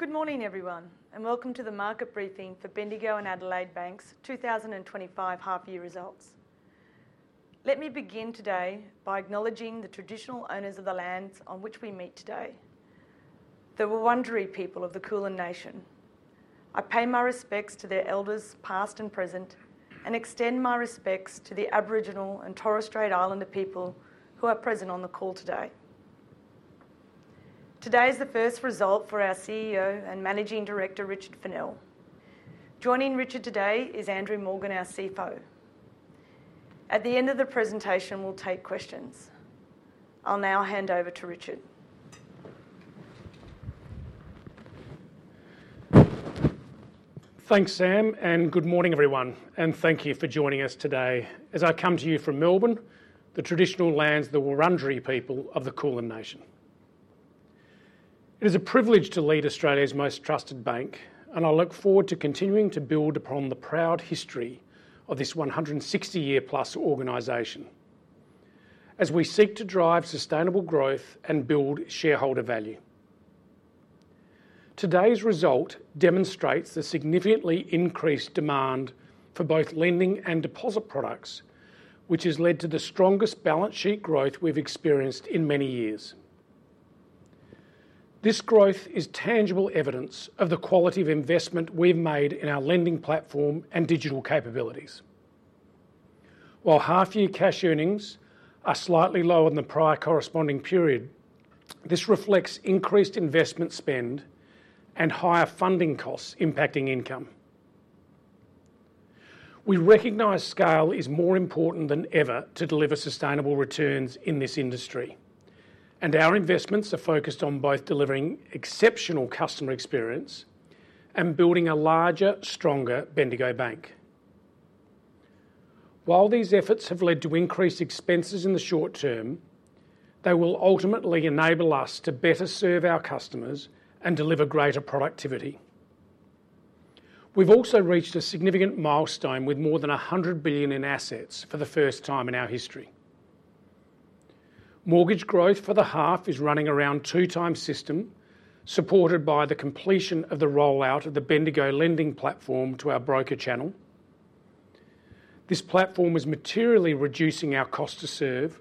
Good morning, everyone, and welcome to the market briefing for Bendigo and Adelaide Bank's 2025 Half-Year Results. Let me begin today by acknowledging the Traditional Owners of the lands on which we meet today, the Wurundjeri people of the Kulin Nation. I pay my respects to their elders, past and present, and extend my respects to the Aboriginal and Torres Strait Islander people who are present on the call today. Today's the first result for our CEO and Managing Director, Richard Fennell. Joining Richard today is Andrew Morgan, our CFO. At the end of the presentation, we'll take questions. I'll now hand over to Richard. Thanks, Sam, and good morning, everyone, and thank you for joining us today as I come to you from Melbourne, the traditional lands, the Wurundjeri people of the Kulin Nation. It is a privilege to lead Australia's most trusted bank, and I look forward to continuing to build upon the proud history of this 160 year+ organization as we seek to drive sustainable growth and build shareholder value. Today's result demonstrates the significantly increased demand for both lending and deposit products, which has led to the strongest balance sheet growth we've experienced in many years. This growth is tangible evidence of the quality of investment we've made in our Lending Platform and digital capabilities. While half-year cash earnings are slightly lower than the prior corresponding period, this reflects increased investment spend and higher funding costs impacting income. We recognize scale is more important than ever to deliver sustainable returns in this industry, and our investments are focused on both delivering exceptional customer experience and building a larger, stronger Bendigo Bank. While these efforts have led to increased expenses in the short term, they will ultimately enable us to better serve our customers and deliver greater productivity. We've also reached a significant milestone with more than 100 billion in assets for the first time in our history. Mortgage growth for the half is running around twice the system, supported by the completion of the rollout of the Bendigo Lending Platform to our broker channel. This platform is materially reducing our cost to serve,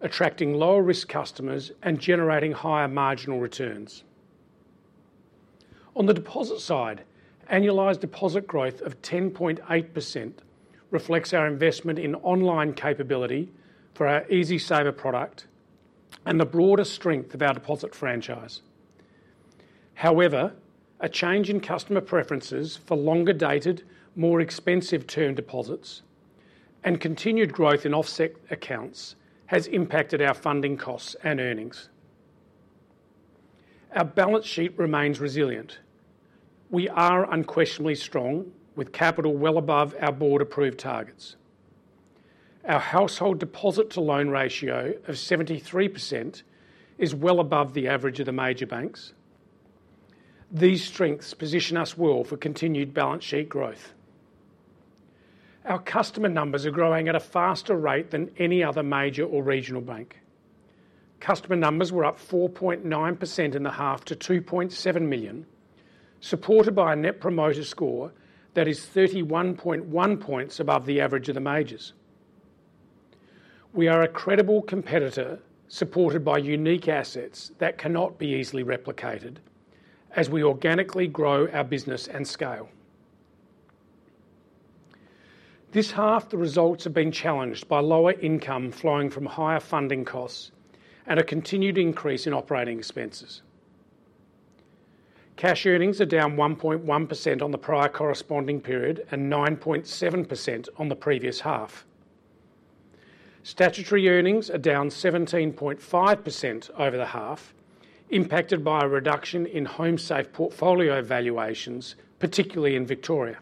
attracting lower-risk customers and generating higher marginal returns. On the deposit side, annualized deposit growth of 10.8% reflects our investment in online capability for our EasySaver product and the broader strength of our deposit franchise. However, a change in customer preferences for longer-dated, more expensive-term deposits and continued growth in offset accounts has impacted our funding costs and earnings. Our balance sheet remains resilient. We are unquestionably strong, with capital well above our board-approved targets. Our household deposit-to-loan ratio of 73% is well above the average of the major banks. These strengths position us well for continued balance sheet growth. Our customer numbers are growing at a faster rate than any other major or regional bank. Customer numbers were up 4.9% in the half to 2.7 million, supported by a Net Promoter Score that is 31.1 points above the average of the majors. We are a credible competitor supported by unique assets that cannot be easily replicated as we organically grow our business and scale. This half, the results have been challenged by lower income flowing from higher funding costs and a continued increase in operating expenses. Cash earnings are down 1.1% on the prior corresponding period and 9.7% on the previous half. Statutory earnings are down 17.5% over the half, impacted by a reduction in Homesafe portfolio valuations, particularly in Victoria.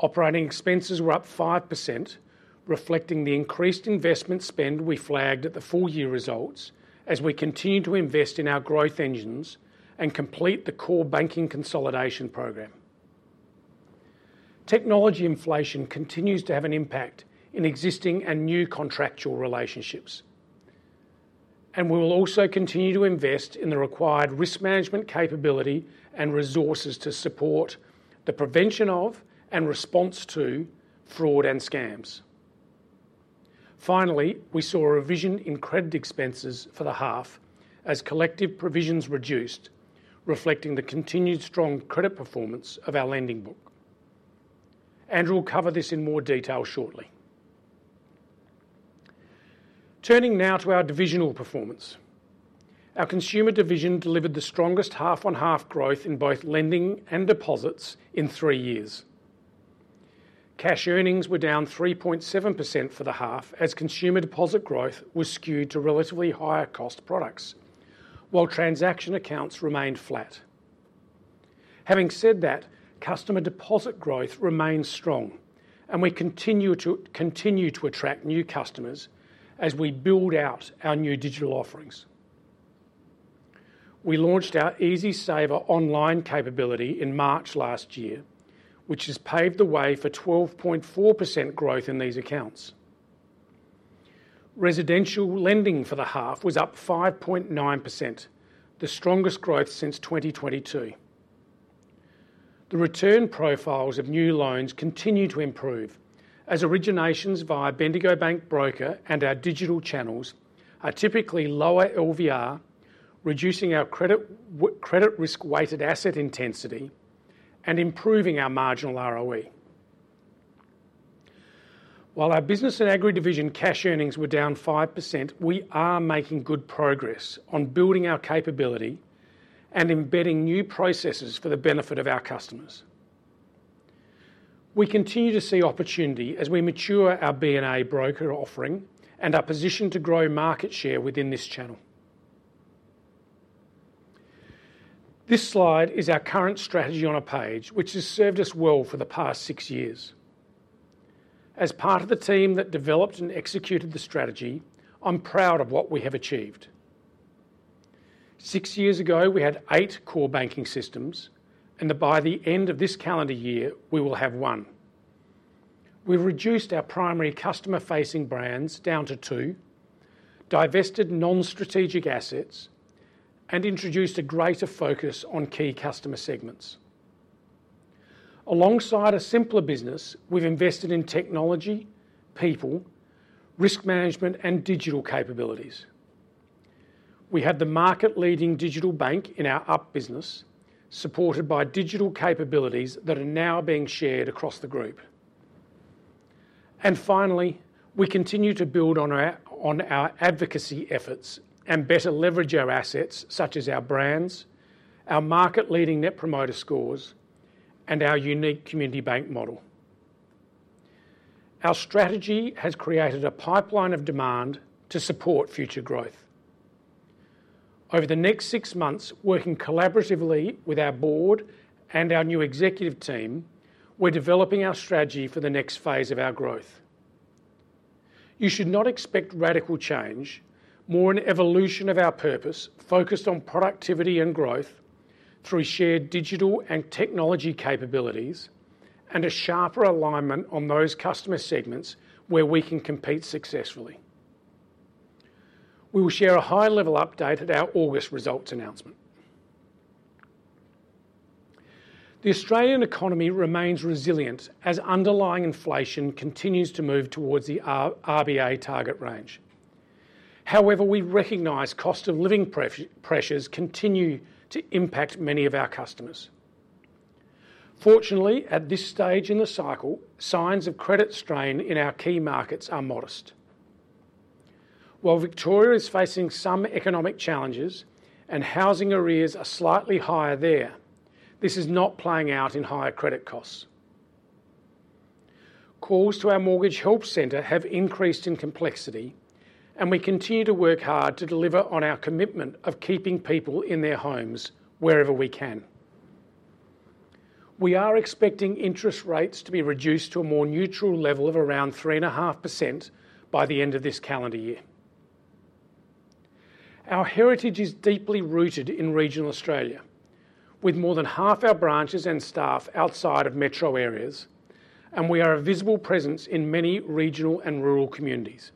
Operating expenses were up 5%, reflecting the increased investment spend we flagged at the full-year results as we continue to invest in our growth engines and complete the core banking consolidation program. Technology inflation continues to have an impact in existing and new contractual relationships, and we will also continue to invest in the required risk management capability and resources to support the prevention of and response to fraud and scams. Finally, we saw a revision in credit expenses for the half as collective provisions reduced, reflecting the continued strong credit performance of our lending book. Andrew will cover this in more detail shortly. Turning now to our divisional performance, our consumer division delivered the strongest half-on-half growth in both lending and deposits in three years. Cash earnings were down 3.7% for the half as consumer deposit growth was skewed to relatively higher-cost products, while transaction accounts remained flat. Having said that, customer deposit growth remains strong, and we continue to attract new customers as we build out our new digital offerings. We launched our EasySaver online capability in March last year, which has paved the way for 12.4% growth in these accounts. Residential lending for the half was up 5.9%, the strongest growth since 2022. The return profiles of new loans continue to improve as originations via Bendigo Bank Broker and our digital channels are typically lower LVR, reducing our credit risk-weighted asset intensity and improving our marginal ROE. While our Business and Agri division cash earnings were down 5%, we are making good progress on building our capability and embedding new processes for the benefit of our customers. We continue to see opportunity as we mature our B&A broker offering and are positioned to grow market share within this channel. This slide is our current strategy on a page, which has served us well for the past six years. As part of the team that developed and executed the strategy, I'm proud of what we have achieved. Six years ago, we had eight core banking systems, and by the end of this calendar year, we will have one. We've reduced our primary customer-facing brands down to two, divested non-strategic assets, and introduced a greater focus on key customer segments. Alongside a simpler business, we've invested in technology, people, risk management, and digital capabilities. We have the market-leading digital bank in our Up business, supported by digital capabilities that are now being shared across the group. And finally, we continue to build on our advocacy efforts and better leverage our assets such as our brands, our market-leading Net Promoter Scores, and our unique Community Bank model. Our strategy has created a pipeline of demand to support future growth. Over the next six months, working collaboratively with our board and our new executive team, we're developing our strategy for the next phase of our growth. You should not expect radical change, more an evolution of our purpose focused on productivity and growth through shared digital and technology capabilities and a sharper alignment on those customer segments where we can compete successfully. We will share a high-level update at our August results announcement. The Australian economy remains resilient as underlying inflation continues to move towards the RBA target range. However, we recognize cost of living pressures continue to impact many of our customers. Fortunately, at this stage in the cycle, signs of credit strain in our key markets are modest. While Victoria is facing some economic challenges and housing arrears are slightly higher there, this is not playing out in higher credit costs. Calls to our Mortgage Help Centre have increased in complexity, and we continue to work hard to deliver on our commitment of keeping people in their homes wherever we can. We are expecting interest rates to be reduced to a more neutral level of around 3.5% by the end of this calendar year. Our heritage is deeply rooted in regional Australia, with more than half our branches and staff outside of metro areas, and we are a visible presence in many regional and rural communities.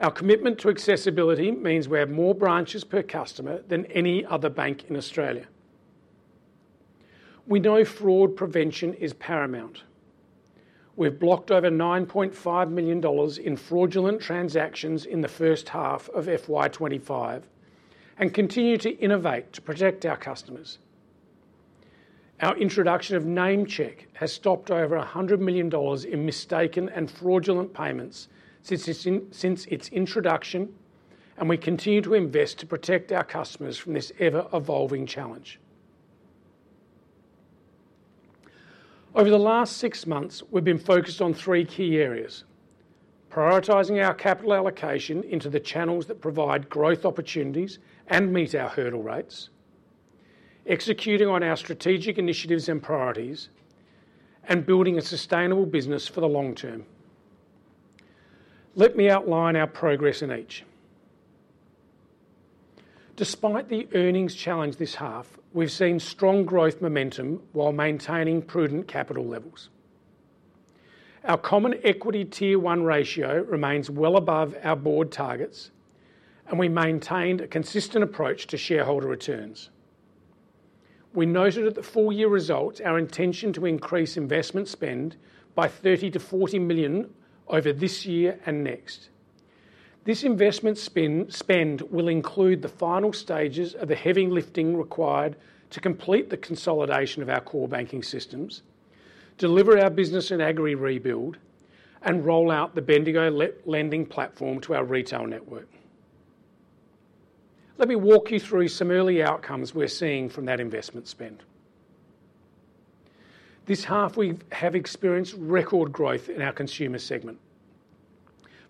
Our commitment to accessibility means we have more branches per customer than any other bank in Australia. We know fraud prevention is paramount. We've blocked over 9.5 million dollars in fraudulent transactions in the first half of FY 2025 and continue to innovate to protect our customers. Our introduction of NameCheck has stopped over 100 million dollars in mistaken and fraudulent payments since its introduction, and we continue to invest to protect our customers from this ever-evolving challenge. Over the last six months, we've been focused on three key areas: prioritizing our capital allocation into the channels that provide growth opportunities and meet our hurdle rates, executing on our strategic initiatives and priorities, and building a sustainable business for the long term. Let me outline our progress in each. Despite the earnings challenge this half, we've seen strong growth momentum while maintaining prudent capital levels. Our Common Equity Tier 1 ratio remains well above our board targets, and we maintained a consistent approach to shareholder returns. We noted at the full-year result our intention to increase investment spend by 30 million-40 million over this year and next. This investment spend will include the final stages of the heavy lifting required to complete the consolidation of our core banking systems, deliver our Business and Agri rebuild, and rollout the Bendigo Lending Platform to our retail network. Let me walk you through some early outcomes we're seeing from that investment spend. This half, we have experienced record growth in our consumer segment.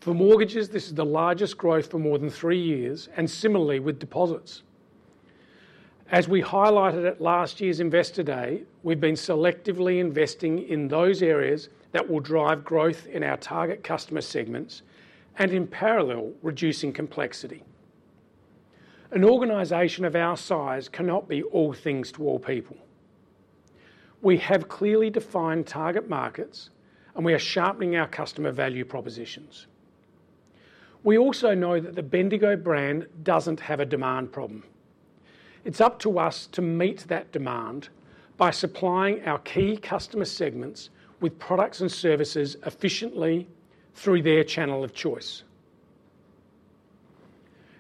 For mortgages, this is the largest growth for more than three years, and similarly with deposits. As we highlighted at last year's Investor Day, we've been selectively investing in those areas that will drive growth in our target customer segments and, in parallel, reducing complexity. An organization of our size cannot be all things to all people. We have clearly defined target markets, and we are sharpening our customer value propositions. We also know that the Bendigo brand doesn't have a demand problem. It's up to us to meet that demand by supplying our key customer segments with products and services efficiently through their channel of choice.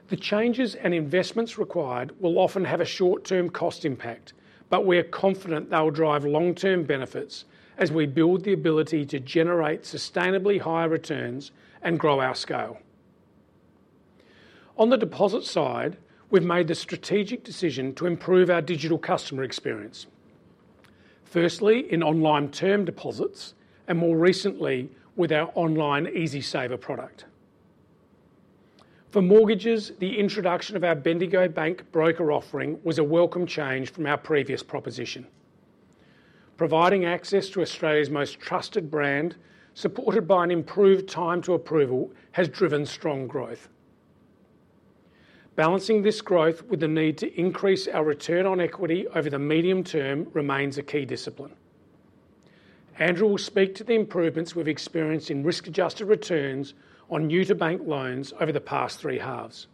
The changes and investments required will often have a short-term cost impact, but we are confident they will drive long-term benefits as we build the ability to generate sustainably high returns and grow our scale. On the deposit side, we've made the strategic decision to improve our digital customer experience, firstly in online term deposits and more recently with our online EasySaver product. For mortgages, the introduction of our Bendigo Bank Broker offering was a welcome change from our previous proposition. Providing access to Australia's most trusted brand, supported by an improved time to approval, has driven strong growth. Balancing this growth with the need to increase our return on equity over the medium term remains a key discipline. Andrew will speak to the improvements we've experienced in risk-adjusted returns on new-to-bank loans over the past three halves.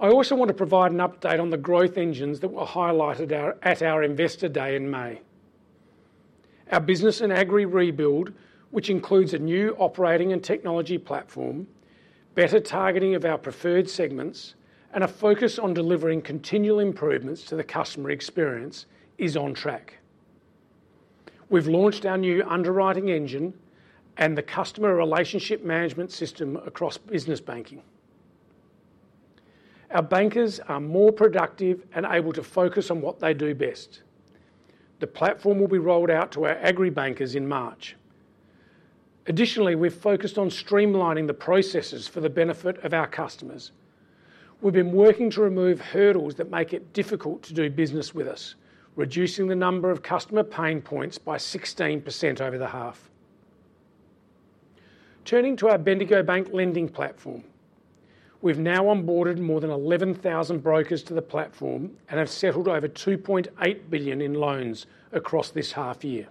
I also want to provide an update on the growth engines that were highlighted at our Investor Day in May. Our business and agri rebuild, which includes a new operating and technology platform, better targeting of our preferred segments, and a focus on delivering continual improvements to the customer experience, is on track. We've launched our new underwriting engine and the customer relationship management system across business banking. Our bankers are more productive and able to focus on what they do best. The platform will be rolled out to our Agri bankers in March. Additionally, we've focused on streamlining the processes for the benefit of our customers. We've been working to remove hurdles that make it difficult to do business with us, reducing the number of customer pain points by 16% over the half. Turning to our Bendigo Bank Lending Platform, we've now onboarded more than 11,000 brokers to the platform and have settled over 2.8 billion in loans across this half year.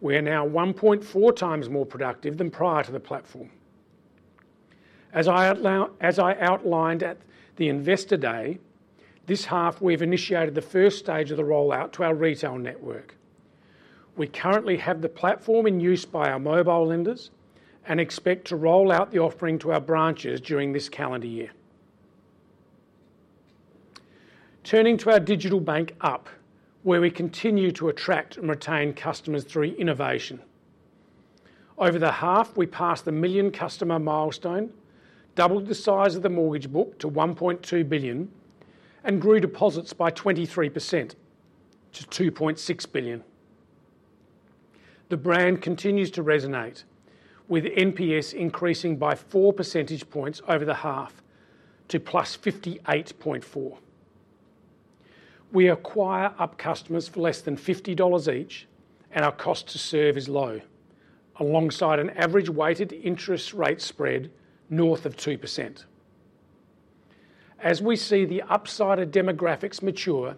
We are now 1.4 times more productive than prior to the platform. As I outlined at the Investor Day, this half, we've initiated the first stage of the rollout to our retail network. We currently have the platform in use by our mobile lenders and expect to rollout the offering to our branches during this calendar year. Turning to our digital bank Up, where we continue to attract and retain customers through innovation. Over the half, we passed the million customer milestone, doubled the size of the mortgage book to 1.2 billion, and grew deposits by 23% to 2.6 billion. The brand continues to resonate, with NPS increasing by 4 percentage points over the half to +58.4. We acquire Up customers for less than 50 dollars each, and our cost to serve is low, alongside an average weighted interest rate spread north of 2%. As we see the upside of demographics mature,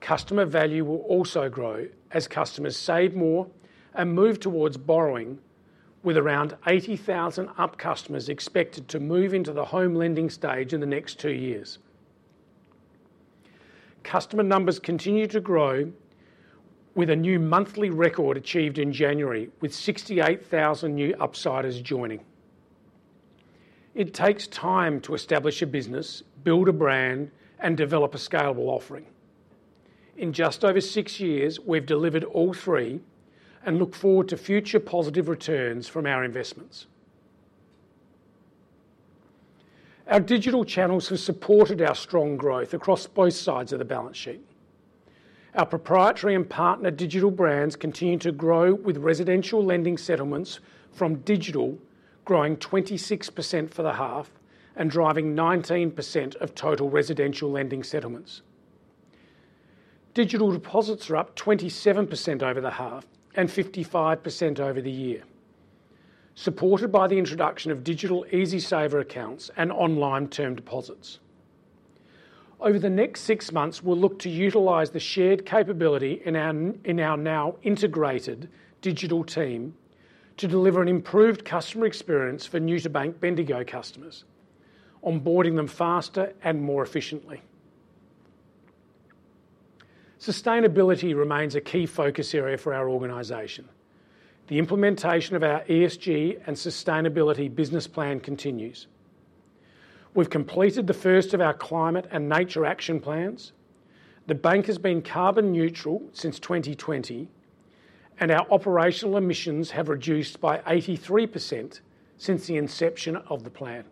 customer value will also grow as customers save more and move towards borrowing, with around 80,000 Up customers expected to move into the home lending stage in the next two years. Customer numbers continue to grow, with a new monthly record achieved in January, with 68,000 new upsiders joining. It takes time to establish a business, build a brand, and develop a scalable offering. In just over six years, we've delivered all three and look forward to future positive returns from our investments. Our digital channels have supported our strong growth across both sides of the balance sheet. Our proprietary and partner digital brands continue to grow, with Residential Lending settlements from digital growing 26% for the half and driving 19% of total Residential Lending settlements. Digital deposits are up 27% over the half and 55% over the year, supported by the introduction of digital EasySaver accounts and online term deposits. Over the next six months, we'll look to utilize the shared capability in our now integrated digital team to deliver an improved customer experience for new-to-bank Bendigo customers, onboarding them faster and more efficiently. Sustainability remains a key focus area for our organization. The implementation of our ESG and Sustainability Business Plan continues. We've completed the first of our climate and nature action plans. The bank has been carbon neutral since 2020, and our operational emissions have reduced by 83% since the inception of the plan.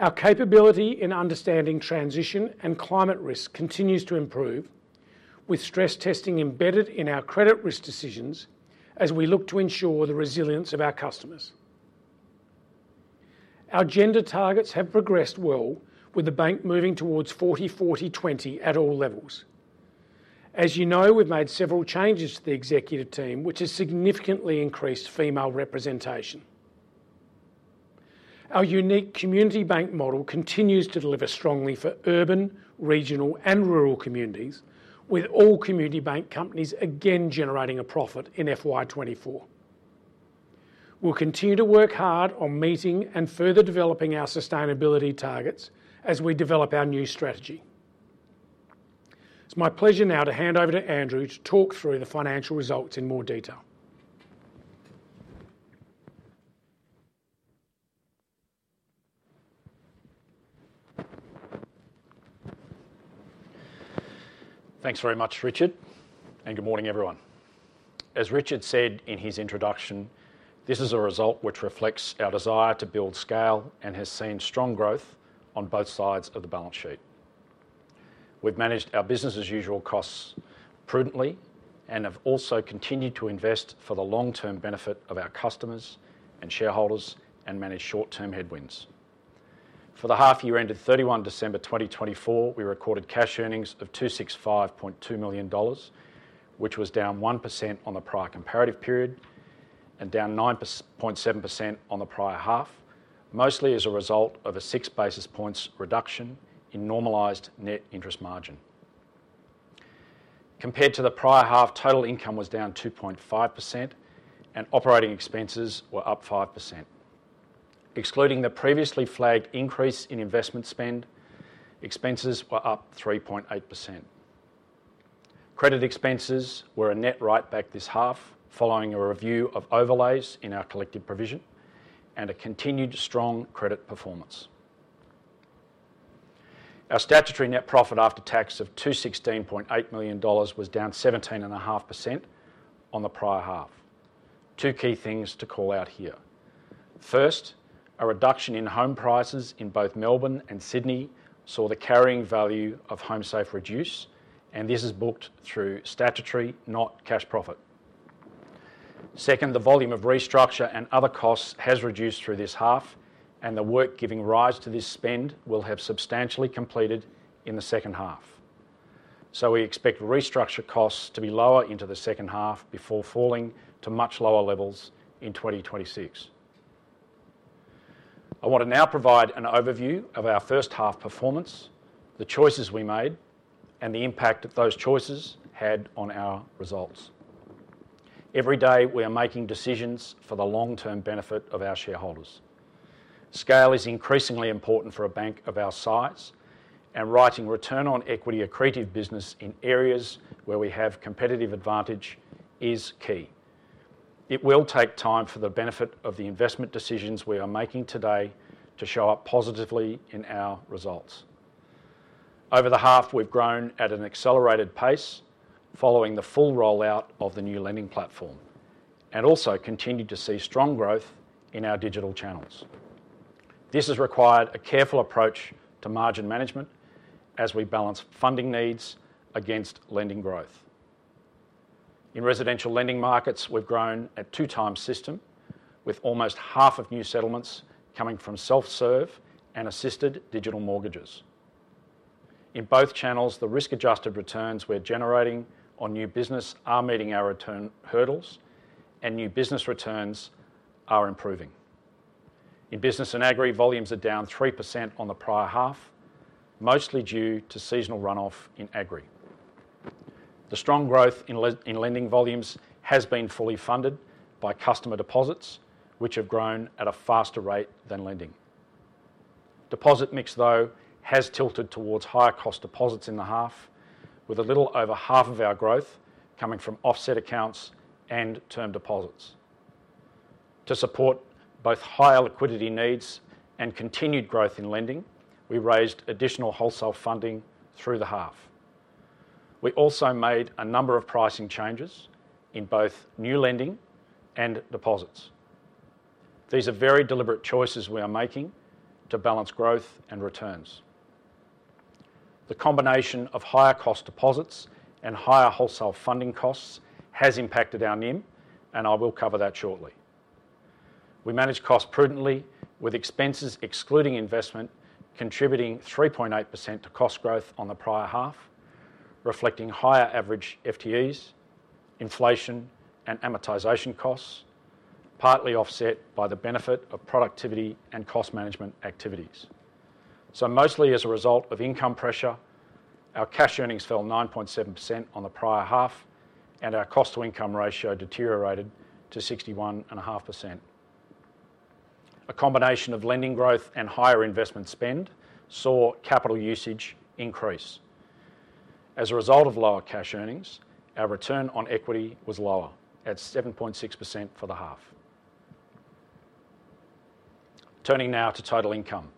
Our capability in understanding transition and climate risk continues to improve, with stress testing embedded in our credit risk decisions as we look to ensure the resilience of our customers. Our gender targets have progressed well, with the bank moving towards 40-40-20 at all levels. As you know, we've made several changes to the executive team, which has significantly increased female representation. Our unique Community Bank model continues to deliver strongly for urban, regional, and rural communities, with all Community Bank companies again generating a profit in FY 2024. We'll continue to work hard on meeting and further developing our sustainability targets as we develop our new strategy. It's my pleasure now to hand over to Andrew to talk through the financial results in more detail. Thanks very much, Richard, and good morning, everyone. As Richard said in his introduction, this is a result which reflects our desire to build scale and has seen strong growth on both sides of the balance sheet. We've managed our business-as-usual costs prudently and have also continued to invest for the long-term benefit of our customers and shareholders and managed short-term headwinds. For the half year ended 31 December 2024, we recorded cash earnings of 265.2 million dollars, which was down 1% on the prior comparative period and down 9.7% on the prior half, mostly as a result of a 6 basis points reduction in normalised net interest margin. Compared to the prior half, total income was down 2.5%, and operating expenses were up 5%. Excluding the previously flagged increase in investment spend, expenses were up 3.8%. Credit expenses were a net write-back this half, following a review of overlays in our collective provision and a continued strong credit performance. Our statutory net profit after tax of 216.8 million dollars was down 17.5% on the prior half. Two key things to call out here. First, a reduction in home prices in both Melbourne and Sydney saw the carrying value of HomeSafe reduce, and this is booked through statutory, not cash profit. Second, the volume of restructure and other costs has reduced through this half, and the work giving rise to this spend will have substantially completed in the second half. So we expect restructure costs to be lower into the second half before falling to much lower levels in 2026. I want to now provide an overview of our first half performance, the choices we made, and the impact that those choices had on our results. Every day, we are making decisions for the long-term benefit of our shareholders. Scale is increasingly important for a bank of our size, and writing return on equity accretive business in areas where we have competitive advantage is key. It will take time for the benefit of the investment decisions we are making today to show up positively in our results. Over the half, we've grown at an accelerated pace following the full rollout of the new Lending Platform and also continued to see strong growth in our digital channels. This has required a careful approach to margin management as we balance funding needs against lending growth. In Residential Lending markets, we've grown at twice the system, with almost half of new settlements coming from self-serve and assisted digital mortgages. In both channels, the risk-adjusted returns we're generating on new business are meeting our return hurdles, and new business returns are improving. In Business and Agri, volumes are down 3% on the prior half, mostly due to seasonal runoff in Agri. The strong growth in lending volumes has been fully funded by customer deposits, which have grown at a faster rate than lending. Deposit mix, though, has tilted towards higher cost deposits in the half, with a little over half of our growth coming from offset accounts and term deposits. To support both higher liquidity needs and continued growth in lending, we raised additional wholesale funding through the half. We also made a number of pricing changes in both new lending and deposits. These are very deliberate choices we are making to balance growth and returns. The combination of higher cost deposits and higher wholesale funding costs has impacted our NIM, and I will cover that shortly. We manage costs prudently, with expenses excluding investment contributing 3.8% to cost growth on the prior half, reflecting higher average FTEs, inflation, and amortization costs, partly offset by the benefit of productivity and cost management activities. So mostly as a result of income pressure, our cash earnings fell 9.7% on the prior half, and our cost-to-income ratio deteriorated to 61.5%. A combination of lending growth and higher investment spend saw capital usage increase. As a result of lower cash earnings, our return on equity was lower at 7.6% for the half. Turning now to total income.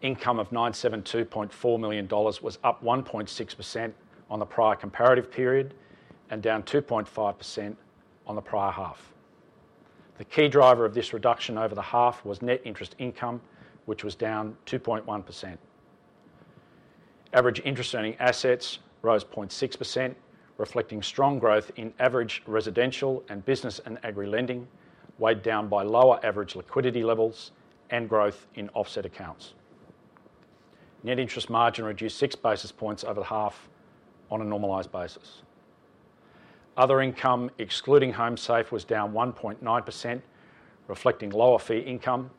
Income of 972.4 million dollars was up 1.6% on the prior comparative period and down 2.5% on the prior half. The key driver of this reduction over the half was net interest income, which was down 2.1%. Average interest-earning assets rose 0.6%, reflecting strong growth in average residential and Business and Agri lending, weighed down by lower average liquidity levels and growth in offset accounts. Net interest margin reduced 6 basis points over the half on a normalized basis. Other income, excluding Homesafe, was down 1.9%, reflecting lower fee income,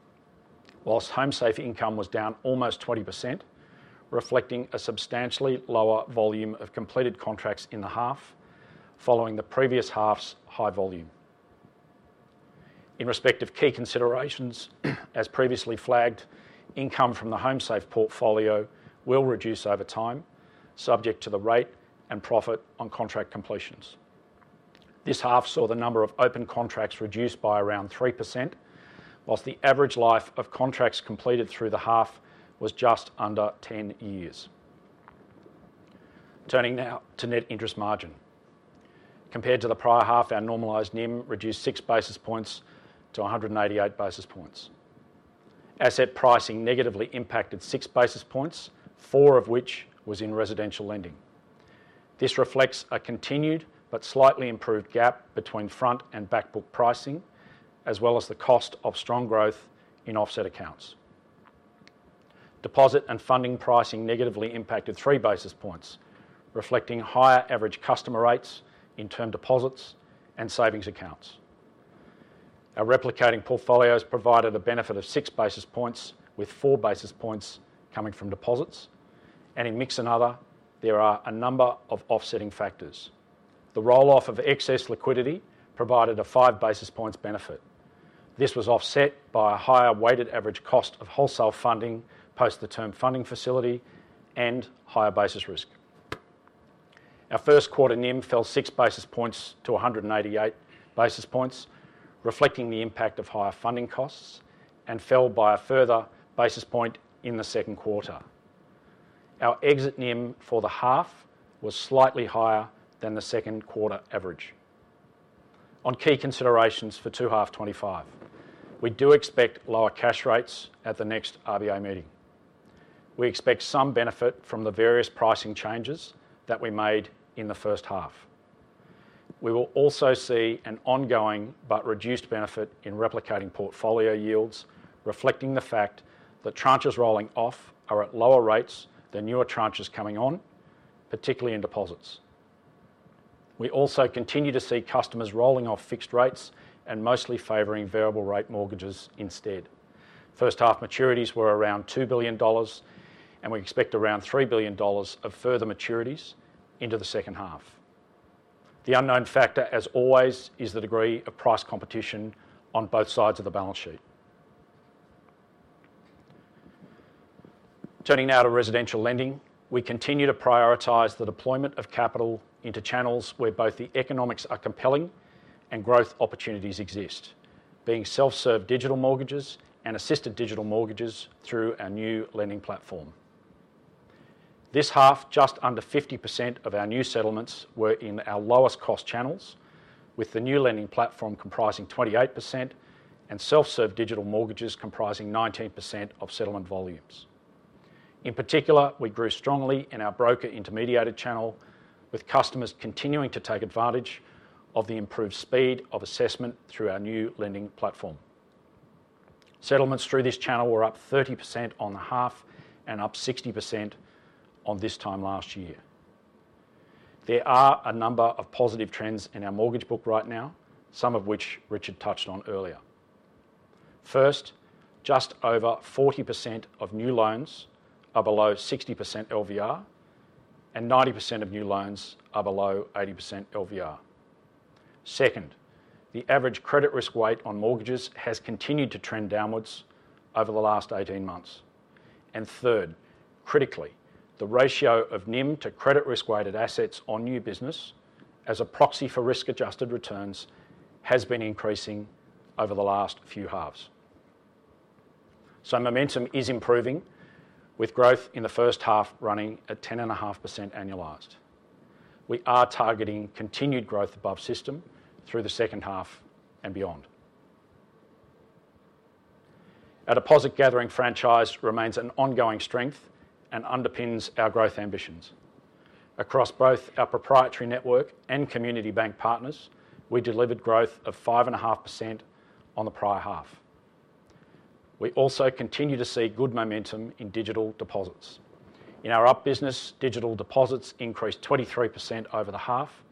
while Homesafe income was down almost 20%, reflecting a substantially lower volume of completed contracts in the half, following the previous half's high volume. In respect of key considerations, as previously flagged, income from the Homesafe portfolio will reduce over time, subject to the rate and profit on contract completions. This half saw the number of open contracts reduced by around 3%, while the average life of contracts completed through the half was just under 10 years. Turning now to net interest margin. Compared to the prior half, our normalised NIM reduced 6 basis points-188 basis points. Asset pricing negatively impacted 6 basis points, four of which was in Residential Lending. This reflects a continued but slightly improved gap between front and back book pricing, as well as the cost of strong growth in offset accounts. Deposit and funding pricing negatively impacted 3 basis points, reflecting higher average customer rates in term deposits and savings accounts. Our replicating portfolios provided the benefit of 6 basis points, with 4 basis points coming from deposits, and in mix and other, there are a number of offsetting factors. The roll-off of excess liquidity provided a 5 basis points benefit. This was offset by a higher weighted average cost of wholesale funding post the term funding facility and higher basis risk. Our first quarter NIM fell 6 basis points-188 basis points, reflecting the impact of higher funding costs, and fell by a further basis point in the second quarter. Our exit NIM for the half was slightly higher than the second quarter average. On key considerations for two half 2025, we do expect lower cash rates at the next RBA meeting. We expect some benefit from the various pricing changes that we made in the first half. We will also see an ongoing but reduced benefit in replicating portfolio yields, reflecting the fact that tranches rolling off are at lower rates than newer tranches coming on, particularly in deposits. We also continue to see customers rolling off fixed rates and mostly favoring variable rate mortgages instead. First half maturities were around 2 billion dollars, and we expect around 3 billion dollars of further maturities into the second half. The unknown factor, as always, is the degree of price competition on both sides of the balance sheet. Turning now to Residential Lending, we continue to prioritize the deployment of capital into channels where both the economics are compelling and growth opportunities exist, being self-serve digital mortgages and assisted digital mortgages through our new Lending Platform. This half, just under 50% of our new settlements were in our lowest cost channels, with the new Lending Platform comprising 28% and self-serve digital mortgages comprising 19% of settlement volumes. In particular, we grew strongly in our broker intermediated channel, with customers continuing to take advantage of the improved speed of assessment through our new Lending Platform. Settlements through this channel were up 30% on the half and up 60% on this time last year. There are a number of positive trends in our mortgage book right now, some of which Richard touched on earlier. First, just over 40% of new loans are below 60% LVR, and 90% of new loans are below 80% LVR. Second, the average credit risk weight on mortgages has continued to trend downward over the last 18 months. And third, critically, the ratio of NIM to credit risk-weighted assets on new business as a proxy for risk-adjusted returns has been increasing over the last few halves. So momentum is improving, with growth in the first half running at 10.5% annualized. We are targeting continued growth above system through the second half and beyond. Our deposit gathering franchise remains an ongoing strength and underpins our growth ambitions. Across both our proprietary network and Community Bank partners, we delivered growth of 5.5% on the prior half. We also continue to see good momentum in digital deposits. In our Up business, digital deposits increased 23% over the half,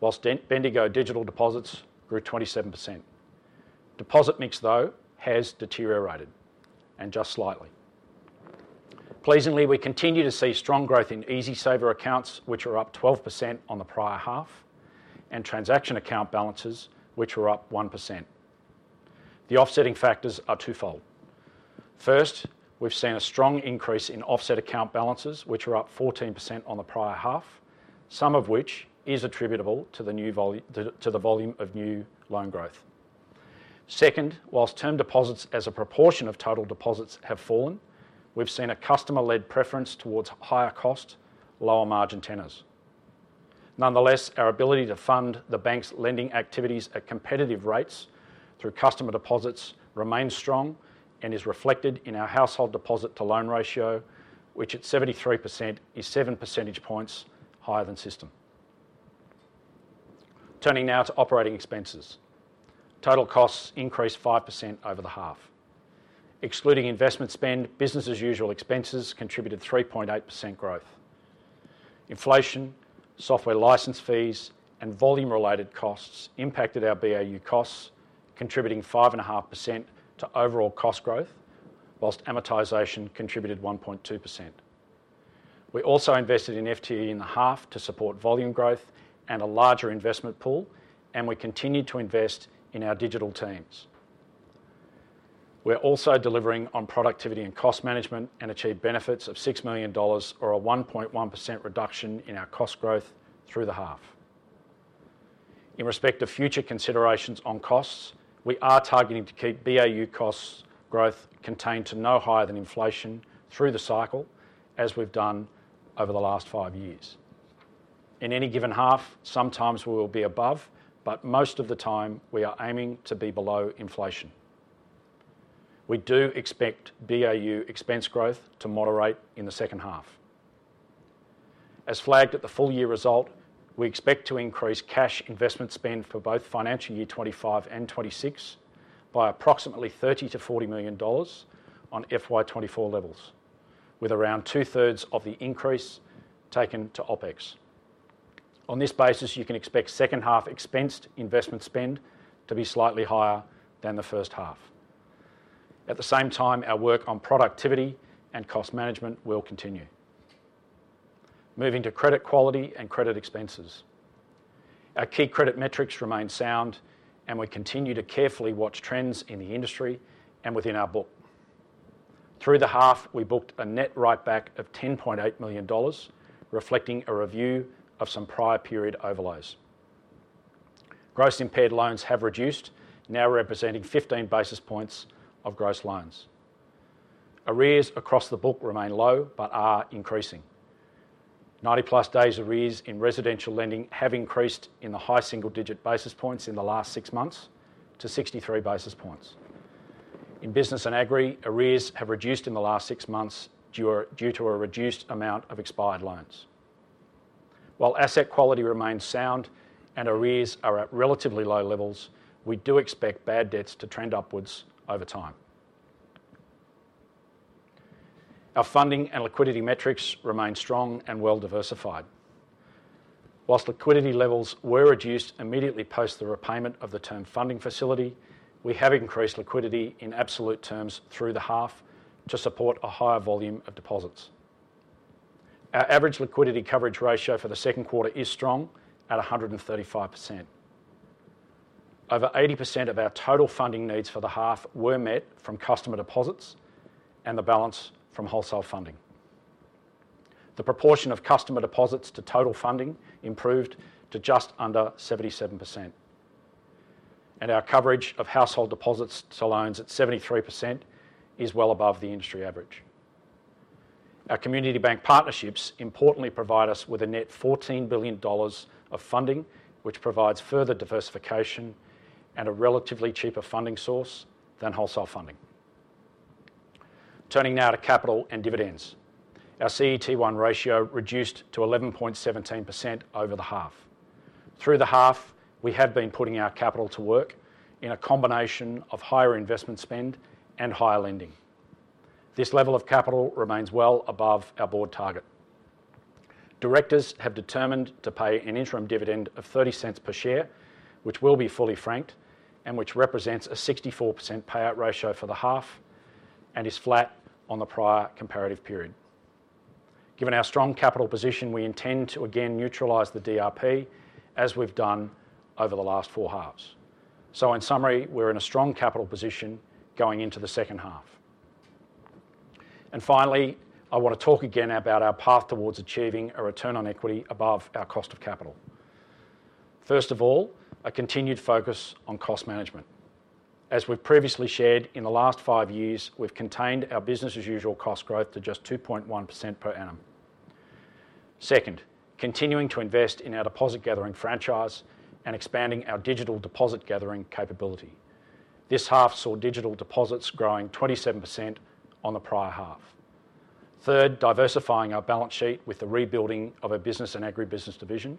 while Bendigo digital deposits grew 27%. Deposit mix, though, has deteriorated, and just slightly. Pleasingly, we continue to see strong growth in EasySaver accounts, which were up 12% on the prior half, and transaction account balances, which were up 1%. The offsetting factors are twofold. First, we've seen a strong increase in offset account balances, which were up 14% on the prior half, some of which is attributable to the volume of new loan growth. Second, while term deposits as a proportion of total deposits have fallen, we've seen a customer-led preference towards higher cost, lower margin tenors. Nonetheless, our ability to fund the bank's lending activities at competitive rates through customer deposits remains strong and is reflected in our household deposit-to-loan ratio, which at 73% is 7 percentage points higher than system. Turning now to operating expenses. Total costs increased 5% over the half. Excluding investment spend, business-as-usual expenses contributed 3.8% growth. Inflation, software license fees, and volume-related costs impacted our BAU costs, contributing 5.5% to overall cost growth, whilst amortization contributed 1.2%. We also invested in FTE in the half to support volume growth and a larger investment pool, and we continue to invest in our digital teams. We're also delivering on productivity and cost management and achieved benefits of 6 million dollars or a 1.1% reduction in our cost growth through the half. In respect of future considerations on costs, we are targeting to keep BAU cost growth contained to no higher than inflation through the cycle, as we've done over the last five years. In any given half, sometimes we will be above, but most of the time we are aiming to be below inflation. We do expect BAU expense growth to moderate in the second half. As flagged at the full year result, we expect to increase cash investment spend for both financial year 2025 and 2026 by approximately 30 million-40 million dollars on FY 2024 levels, with around 2/3 of the increase taken to OpEx. On this basis, you can expect second half expensed investment spend to be slightly higher than the first half. At the same time, our work on productivity and cost management will continue. Moving to credit quality and credit expenses. Our key credit metrics remain sound, and we continue to carefully watch trends in the industry and within our book. Through the half, we booked a net write-back of 10.8 million dollars, reflecting a review of some prior period overlays. Gross impaired loans have reduced, now representing 15 basis points of gross loans. Arrears across the book remain low but are increasing. 90+ days arrears in Residential Lending have increased in the high single-digit basis points in the last six months to 63 basis points. In Business and Agri, arrears have reduced in the last six months due to a reduced amount of expired loans. While asset quality remains sound and arrears are at relatively low levels, we do expect bad debts to trend upwards over time. Our funding and liquidity metrics remain strong and well diversified. While liquidity levels were reduced immediately post the repayment of the term funding facility, we have increased liquidity in absolute terms through the half to support a higher volume of deposits. Our average liquidity coverage ratio for the second quarter is strong at 135%. Over 80% of our total funding needs for the half were met from customer deposits and the balance from wholesale funding. The proportion of customer deposits to total funding improved to just under 77%. Our coverage of household deposits to loans at 73% is well above the industry average. Our Community Bank partnerships importantly provide us with a net 14 billion dollars of funding, which provides further diversification and a relatively cheaper funding source than wholesale funding. Turning now to capital and dividends. Our CET1 ratio reduced to 11.17% over the half. Through the half, we have been putting our capital to work in a combination of higher investment spend and higher lending. This level of capital remains well above our board target. Directors have determined to pay an interim dividend of 0.30 per share, which will be fully franked and which represents a 64% payout ratio for the half and is flat on the prior comparative period. Given our strong capital position, we intend to again neutralise the DRP as we've done over the last four halves. So in summary, we're in a strong capital position going into the second half. And finally, I want to talk again about our path towards achieving a return on equity above our cost of capital. First of all, a continued focus on cost management. As we've previously shared, in the last five years, we've contained our business-as-usual cost growth to just 2.1% per annum. Second, continuing to invest in our deposit gathering franchise and expanding our digital deposit gathering capability. This half saw digital deposits growing 27% on the prior half. Third, diversifying our balance sheet with the rebuilding of a Business and Agribusiness division.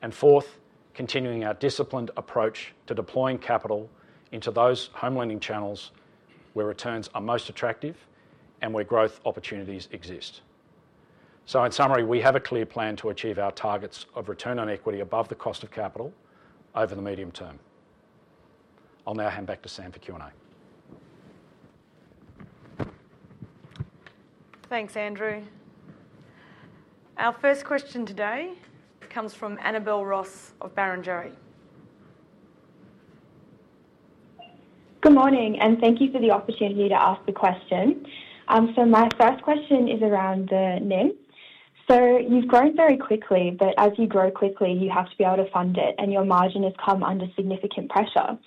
And fourth, continuing our disciplined approach to deploying capital into those home lending channels where returns are most attractive and where growth opportunities exist. So in summary, we have a clear plan to achieve our targets of return on equity above the cost of capital over the medium term. I'll now hand back to Sam for Q&A. Thanks, Andrew. Our first question today comes from Annabel Ross of Barrenjoey. Good morning, and thank you for the opportunity to ask the question. So my first question is around the NIM. So you've grown very quickly, but as you grow quickly, you have to be able to fund it, and your margin has come under significant pressure.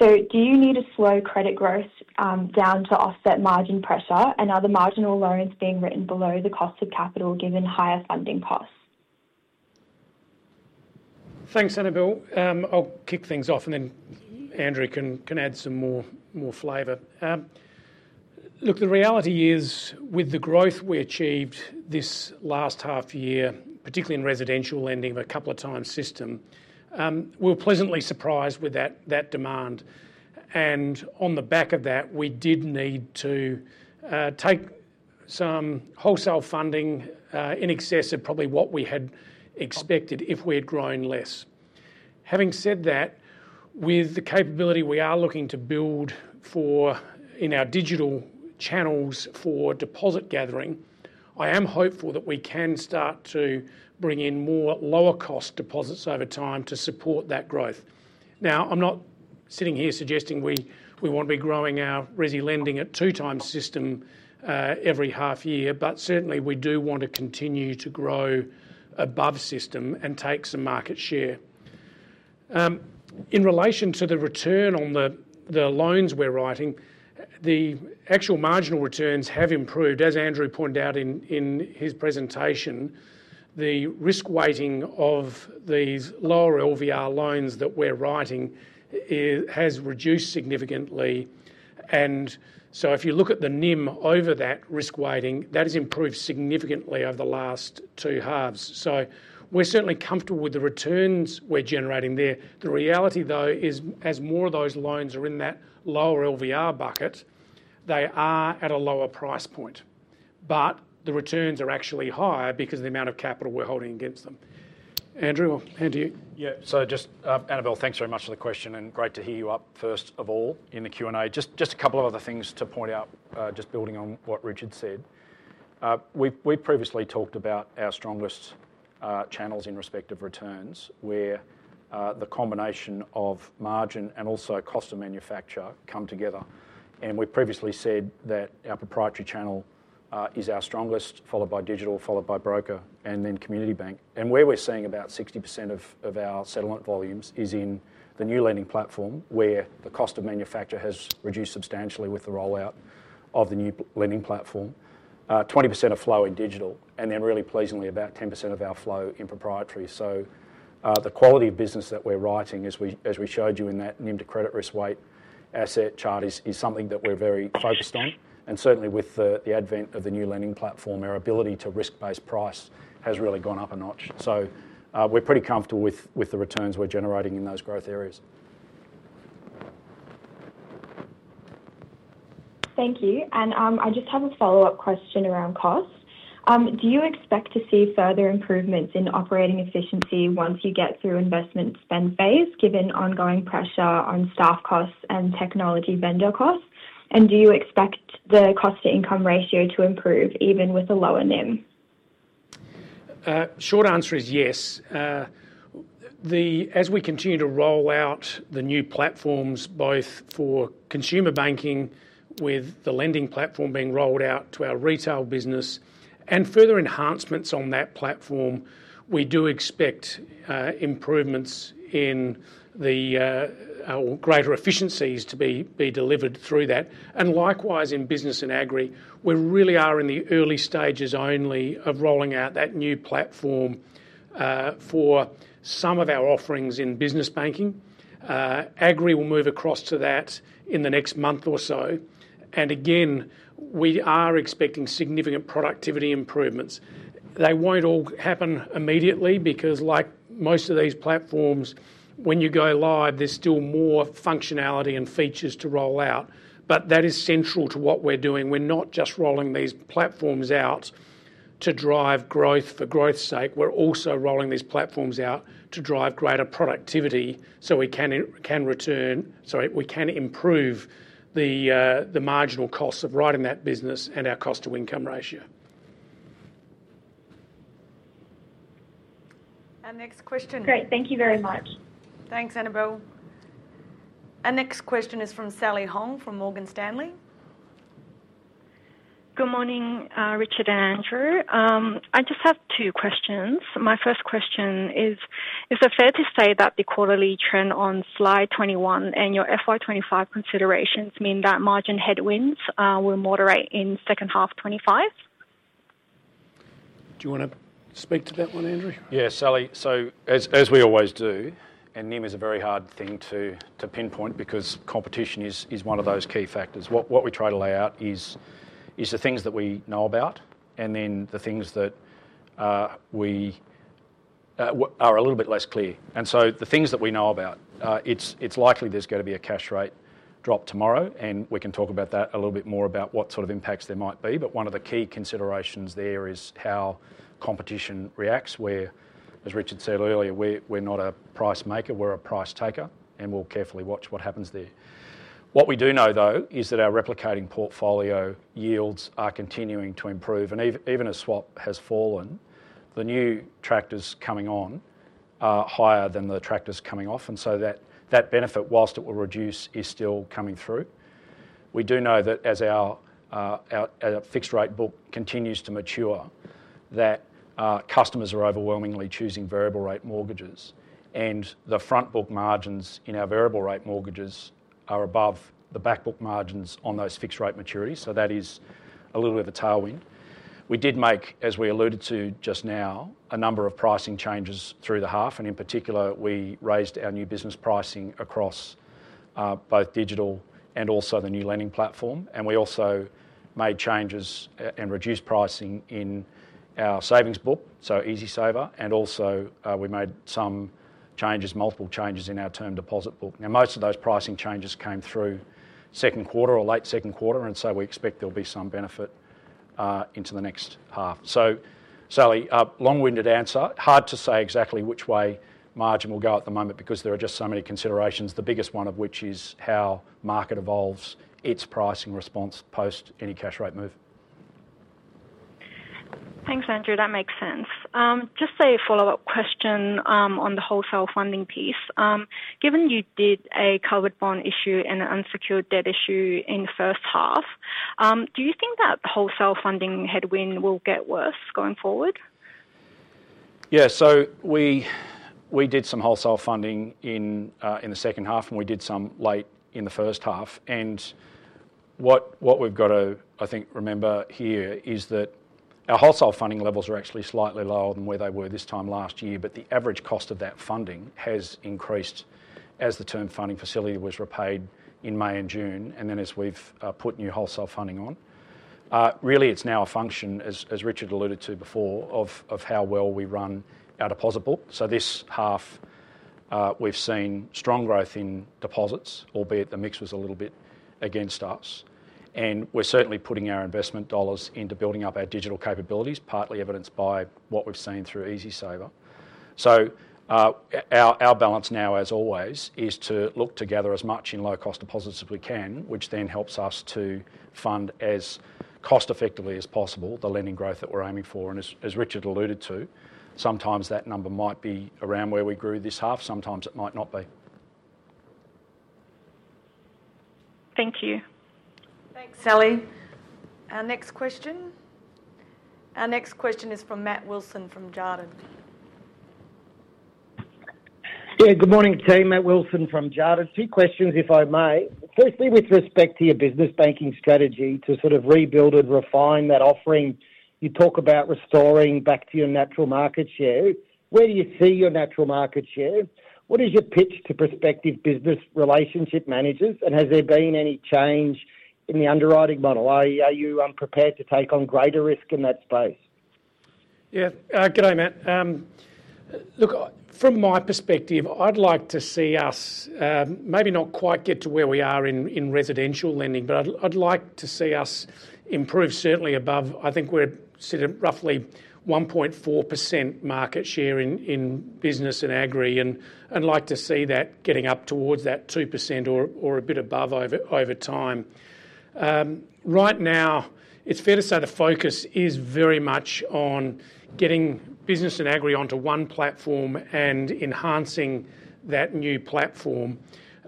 So do you need a slow credit growth down to offset margin pressure? And are the marginal loans being written below the cost of capital given higher funding costs? Thanks, Annabel. I'll kick things off, and then Andrew can add some more flavor. Look, the reality is, with the growth we achieved this last half year, particularly in Residential Lending of a couple of times system, we were pleasantly surprised with that demand. And on the back of that, we did need to take some wholesale funding in excess of probably what we had expected if we had grown less. Having said that, with the capability we are looking to build in our digital channels for deposit gathering, I am hopeful that we can start to bring in more lower-cost deposits over time to support that growth. Now, I'm not sitting here suggesting we want to be growing our resi lending at two-times system every half year, but certainly we do want to continue to grow above system and take some market share. In relation to the return on the loans we're writing, the actual marginal returns have improved. As Andrew pointed out in his presentation, the risk weighting of these lower LVR loans that we're writing has reduced significantly. And so if you look at the NIM over that risk weighting, that has improved significantly over the last two halves. So we're certainly comfortable with the returns we're generating there. The reality, though, is as more of those loans are in that lower LVR bucket, they are at a lower price point, but the returns are actually higher because of the amount of capital we're holding against them. Andrew, or Andrew? Yeah, so just Annabel, thanks very much for the question, and great to hear you up first of all in the Q&A. Just a couple of other things to point out, just building on what Richard said. We've previously talked about our strongest channels in respect of returns, where the combination of margin and also cost of manufacture come together. And we've previously said that our Proprietary channel is our strongest, followed by Digital, followed by Broker, and then Community Bank. And where we're seeing about 60% of our settlement volumes is in the new Lending Platform, where the cost of manufacture has reduced substantially with the rollout of the new Lending Platform, 20% of flow in Digital, and then really pleasingly about 10% of our flow in Proprietary. The quality of business that we're writing, as we showed you in that NIM to credit risk-weighted asset chart, is something that we're very focused on. And certainly with the advent of the new Lending Platform, our ability to risk-based price has really gone up a notch. We're pretty comfortable with the returns we're generating in those growth areas. Thank you. And I just have a follow-up question around cost. Do you expect to see further improvements in operating efficiency once you get through investment spend phase, given ongoing pressure on staff costs and technology vendor costs? And do you expect the cost-to-income ratio to improve even with a lower NIM? Short answer is yes. As we continue to roll out the new platforms, both for consumer banking with the Lending Platform being rolled out to our retail business and further enhancements on that platform, we do expect improvements in the greater efficiencies to be delivered through that. And likewise in Business and Agri, we really are in the early stages only of rolling out that new platform for some of our offerings in business banking. Agri will move across to that in the next month or so. And again, we are expecting significant productivity improvements. They won't all happen immediately because, like most of these platforms, when you go live, there's still more functionality and features to roll out. But that is central to what we're doing. We're not just rolling these platforms out to drive growth for growth's sake. We're also rolling these platforms out to drive greater productivity so we can improve the marginal costs of writing that business and our cost-to-income ratio. Our next question. Great. Thank you very much. Thanks, Annabel. Our next question is from Sally Hong from Morgan Stanley. Good morning, Richard and Andrew. I just have two questions. My first question is, is it fair to say that the quarterly trend on slide 21 and your FY 2025 considerations mean that margin headwinds will moderate in second half 2025? Do you want to speak to that one, Andrew? Yeah, Sally. So as we always do, and NIM is a very hard thing to pinpoint because competition is one of those key factors. What we try to lay out is the things that we know about and then the things that we are a little bit less clear. And so the things that we know about, it's likely there's going to be a cash rate drop tomorrow, and we can talk about that a little bit more about what sort of impacts there might be. But one of the key considerations there is how competition reacts, where, as Richard said earlier, we're not a price maker, we're a price taker, and we'll carefully watch what happens there. What we do know, though, is that our replicating portfolio yields are continuing to improve. Even as swap has fallen, the new rates coming on are higher than the rates coming off. So that benefit, while it will reduce, is still coming through. We do know that as our fixed rate book continues to mature, that customers are overwhelmingly choosing variable rate mortgages. The front book margins in our variable rate mortgages are above the back book margins on those fixed rate maturities. That is a little bit of a tailwind. We did make, as we alluded to just now, a number of pricing changes through the half. In particular, we raised our new business pricing across both digital and also the new Lending Platform. We also made changes and reduced pricing in our savings book, so EasySaver. We also made some changes, multiple changes in our term deposit book. Now, most of those pricing changes came through second quarter or late second quarter. And so we expect there'll be some benefit into the next half. So, Sally, long-winded answer, hard to say exactly which way margin will go at the moment because there are just so many considerations, the biggest one of which is how market evolves its pricing response post any cash rate move. Thanks, Andrew. That makes sense. Just a follow-up question on the wholesale funding piece. Given you did a covered bond issue and an unsecured debt issue in the first half, do you think that wholesale funding headwind will get worse going forward? Yeah. So we did some wholesale funding in the second half, and we did some late in the first half. And what we've got to, I think, remember here is that our wholesale funding levels are actually slightly lower than where they were this time last year. But the average cost of that funding has increased as the term funding facility was repaid in May and June, and then as we've put new wholesale funding on. Really, it's now a function, as Richard alluded to before, of how well we run our deposit book. So this half, we've seen strong growth in deposits, albeit the mix was a little bit against us. And we're certainly putting our investment dollars into building up our digital capabilities, partly evidenced by what we've seen through EasySaver. So our balance now, as always, is to look to gather as much in low-cost deposits as we can, which then helps us to fund as cost-effectively as possible the lending growth that we're aiming for. And as Richard alluded to, sometimes that number might be around where we grew this half, sometimes it might not be. Thank you. Thanks, Sally. Our next question is from Matt Wilson from Jarden. Yeah, good morning to you, Matt Wilson from Jarden. Two questions, if I may. Firstly, with respect to your business banking strategy to sort of rebuild and refine that offering, you talk about restoring back to your natural market share. Where do you see your natural market share? What is your pitch to prospective business relationship managers? And has there been any change in the underwriting model? Are you prepared to take on greater risk in that space? Yeah. Good day, Matt. Look, from my perspective, I'd like to see us maybe not quite get to where we are in Residential Lending, but I'd like to see us improve certainly above. I think we're sitting at roughly 1.4% market share in Business and Agri, and I'd like to see that getting up towards that 2% or a bit above over time. Right now, it's fair to say the focus is very much on getting Business and Agri onto one platform and enhancing that new platform.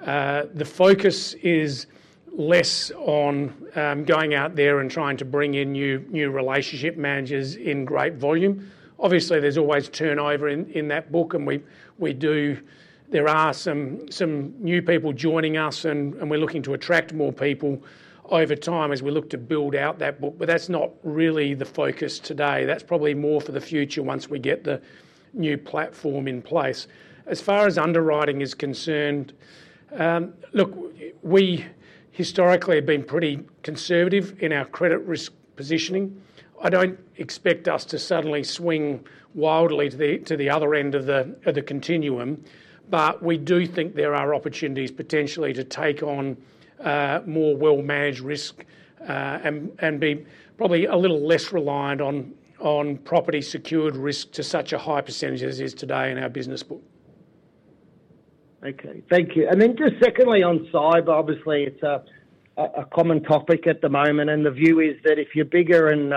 The focus is less on going out there and trying to bring in new relationship managers in great volume. Obviously, there's always turnover in that book, and there are some new people joining us, and we're looking to attract more people over time as we look to build out that book. But that's not really the focus today. That's probably more for the future once we get the new platform in place. As far as underwriting is concerned, look, we historically have been pretty conservative in our credit risk positioning. I don't expect us to suddenly swing wildly to the other end of the continuum, but we do think there are opportunities potentially to take on more well-managed risk and be probably a little less reliant on property secured risk to such a high percentage as is today in our business book. Okay. Thank you. And then just secondly on SME, obviously it's a common topic at the moment, and the view is that if you're bigger and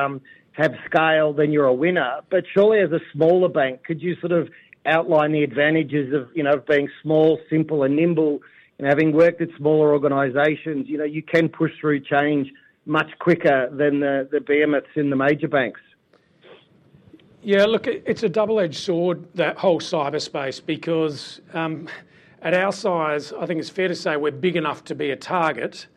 have scale, then you're a winner. But surely as a smaller bank, could you sort of outline the advantages of being small, simple, and nimble and having worked at smaller organizations, you can push through change much quicker than the behemoths in the major banks? Yeah. Look, it's a double-edged sword, that whole cyberspace, because at our size, I think it's fair to say we're big enough to be a target,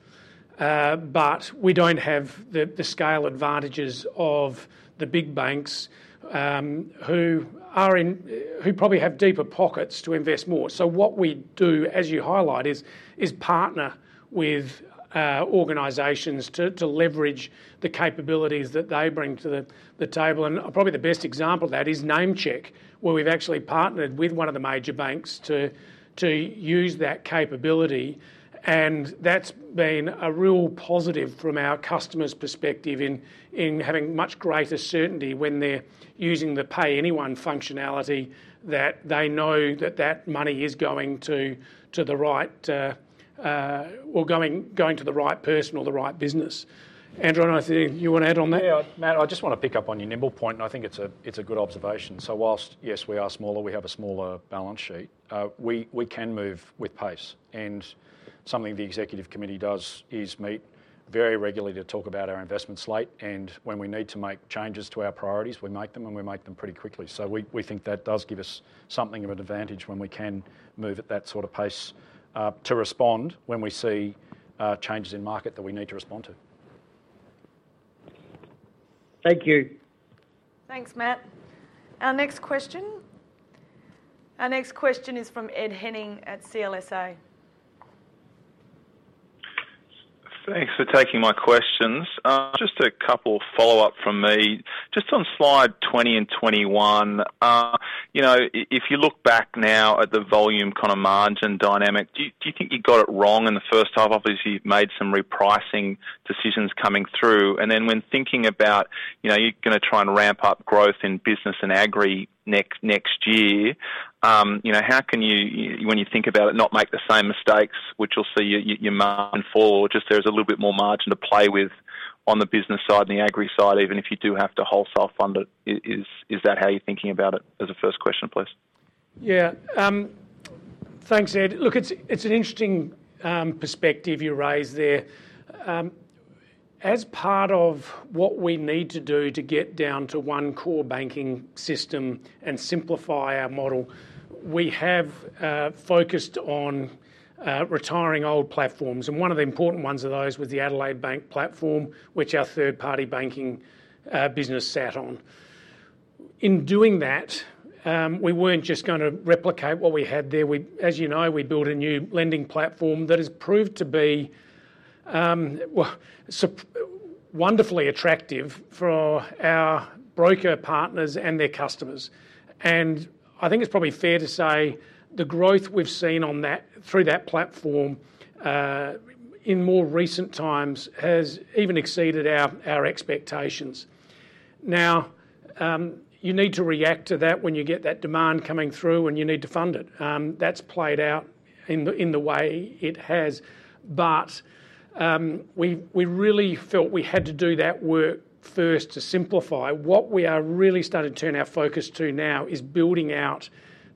but we don't have the scale advantages of the big banks who probably have deeper pockets to invest more. So what we do, as you highlight, is partner with organizations to leverage the capabilities that they bring to the table. And probably the best example of that is NameCheck, where we've actually partnered with one of the major banks to use that capability. And that's been a real positive from our customer's perspective in having much greater certainty when they're using the Pay Anyone functionality that they know that that money is going to the right or going to the right person or the right business. Andrew, I don't know if you want to add on that. Yeah, Matt. I just want to pick up on your nimble point, and I think it's a good observation. So whilst, yes, we are smaller, we have a smaller balance sheet, we can move with pace. And something the executive committee does is meet very regularly to talk about our investment slate. And when we need to make changes to our priorities, we make them, and we make them pretty quickly. So we think that does give us something of an advantage when we can move at that sort of pace to respond when we see changes in market that we need to respond to. Thank you. Thanks, Matt. Our next question is from Ed Henning at CLSA. Thanks for taking my questions. Just a couple of follow-ups from me. Just on slide 20 and 21, if you look back now at the volume kind of margin dynamic, do you think you got it wrong in the first half? Obviously, you've made some repricing decisions coming through, and then when thinking about you're going to try and ramp up growth in Business and Agri next year, how can you, when you think about it, not make the same mistakes which you'll see you move forward, just there's a little bit more margin to play with on the Business side and the Agri side, even if you do have to wholesale fund it? Is that how you're thinking about it as a first question, please? Yeah. Thanks, Ed. Look, it's an interesting perspective you raise there. As part of what we need to do to get down to one core banking system and simplify our model, we have focused on retiring old platforms. And one of the important ones of those was the Adelaide Bank platform, which our third-party banking business sat on. In doing that, we weren't just going to replicate what we had there. As you know, we built a new Lending Platform that has proved to be wonderfully attractive for our broker partners and their customers. And I think it's probably fair to say the growth we've seen through that platform in more recent times has even exceeded our expectations. Now, you need to react to that when you get that demand coming through and you need to fund it. That's played out in the way it has. But we really felt we had to do that work first to simplify. What we are really starting to turn our focus to now is building out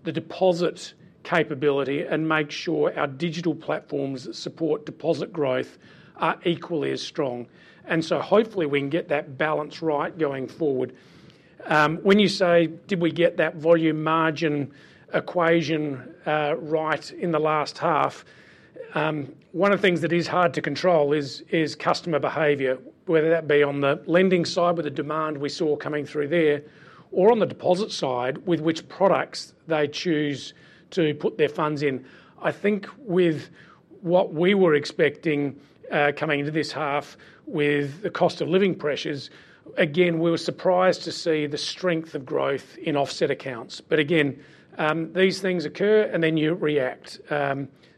the deposit capability and make sure our digital platforms that support deposit growth are equally as strong. And so hopefully we can get that balance right going forward. When you say, "Did we get that volume margin equation right in the last half?" One of the things that is hard to control is customer behavior, whether that be on the lending side with the demand we saw coming through there or on the deposit side with which products they choose to put their funds in. I think with what we were expecting coming into this half with the cost of living pressures, again, we were surprised to see the strength of growth in offset accounts. But again, these things occur and then you react.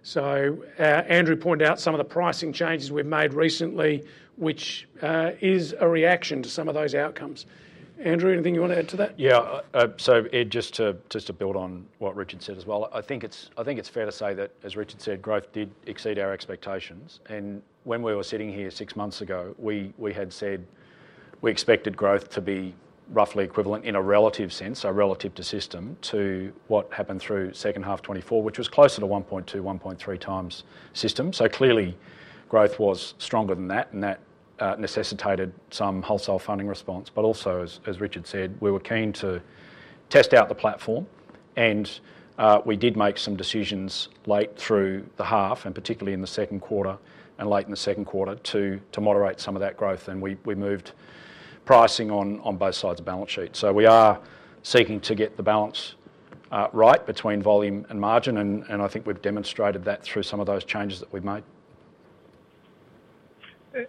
So Andrew pointed out some of the pricing changes we've made recently, which is a reaction to some of those outcomes. Andrew, anything you want to add to that? Yeah. So Ed, just to build on what Richard said as well, I think it's fair to say that, as Richard said, growth did exceed our expectations. When we were sitting here six months ago, we had said we expected growth to be roughly equivalent in a relative sense, so relative to system, to what happened through second half 2024, which was closer to 1.2, 1.3 times system. Clearly, growth was stronger than that, and that necessitated some wholesale funding response. Also, as Richard said, we were keen to test out the platform. We did make some decisions late through the half, and particularly in the second quarter and late in the second quarter to moderate some of that growth. We moved pricing on both sides of the balance sheet. We are seeking to get the balance right between volume and margin. I think we've demonstrated that through some of those changes that we've made.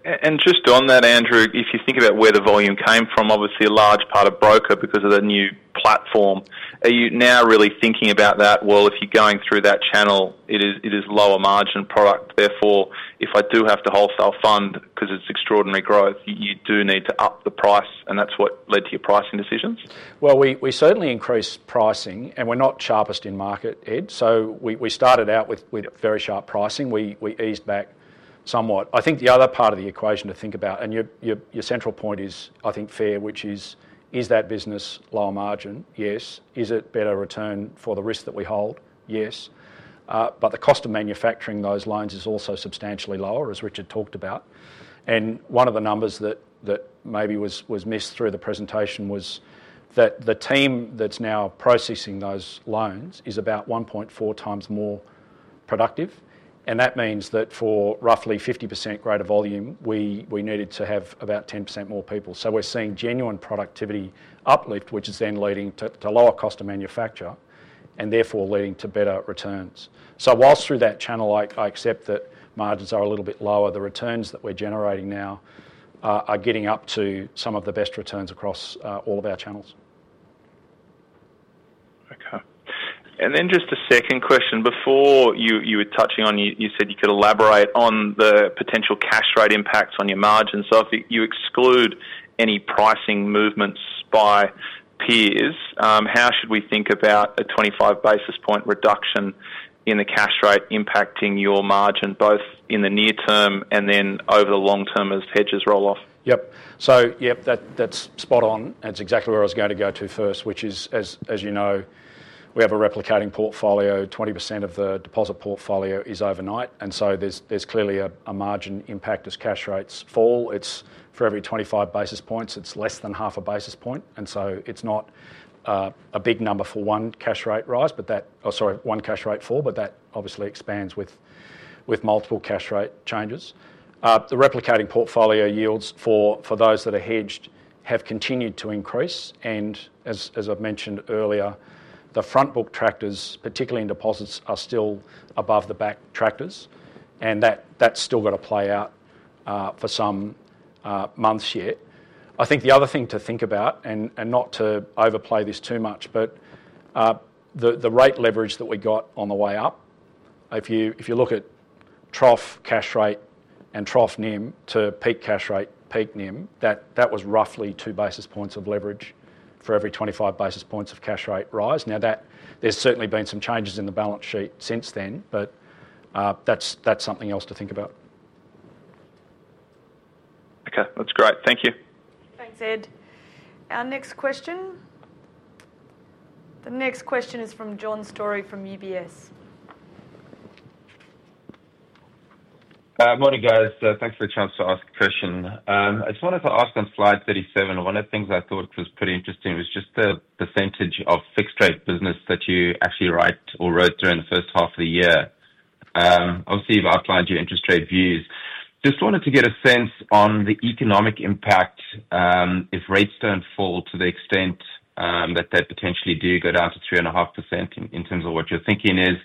And just on that, Andrew, if you think about where the volume came from, obviously a large part of broker because of the new platform. Are you now really thinking about that, "Well, if you're going through that channel, it is lower margin product. Therefore, if I do have to wholesale fund because it's extraordinary growth, you do need to up the price." And that's what led to your pricing decisions? We certainly increased pricing, and we're not the sharpest in market, Ed, so we started out with very sharp pricing. We eased back somewhat. I think the other part of the equation to think about, and your central point is, I think, fair, which is, "Is that business lower margin?" Yes. "Is it better return for the risk that we hold?" Yes, but the cost of manufacturing those loans is also substantially lower, as Richard talked about, and one of the numbers that maybe was missed through the presentation was that the team that's now processing those loans is about 1.4 times more productive, and that means that for roughly 50% greater volume, we needed to have about 10% more people, so we're seeing genuine productivity uplift, which is then leading to lower cost of manufacture and therefore leading to better returns. So while through that channel, I accept that margins are a little bit lower, the returns that we're generating now are getting up to some of the best returns across all of our channels. Okay. Then just a second question. Before you were touching on, you said you could elaborate on the potential cash rate impacts on your margin. So if you exclude any pricing movements by peers, how should we think about a 25 basis points reduction in the cash rate impacting your margin, both in the near term and then over the long term as hedges roll off? Yep. So yeah, that's spot on. And it's exactly where I was going to go to first, which is, as you know, we have a replicating portfolio. 20% of the deposit portfolio is overnight. And so there's clearly a margin impact as cash rates fall. For every 25 basis points, it's less than half a basis point. And so it's not a big number for one cash rate rise, but that, oh, sorry, one cash rate fall, but that obviously expands with multiple cash rate changes. The replicating portfolio yields for those that are hedged have continued to increase. And as I've mentioned earlier, the front book rates, particularly in deposits, are still above the back rates. And that's still got to play out for some months yet. I think the other thing to think about, and not to overplay this too much, but the rate leverage that we got on the way up, if you look at trough cash rate and trough NIM to peak cash rate, peak NIM, that was roughly 2 basis points of leverage for every 25 basis points of cash rate rise. Now, there's certainly been some changes in the balance sheet since then, but that's something else to think about. Okay. That's great. Thank you. Thanks, Ed. Our next question. The next question is from John Storey from UBS. Morning, guys. Thanks for the chance to ask a question. I just wanted to ask on slide 37, one of the things I thought was pretty interesting was just the percentage of fixed rate business that you actually write or wrote during the first half of the year. Obviously, you've outlined your interest rate views. Just wanted to get a sense on the economic impact if rates don't fall to the extent that they potentially do go down to 3.5% in terms of what you're thinking is.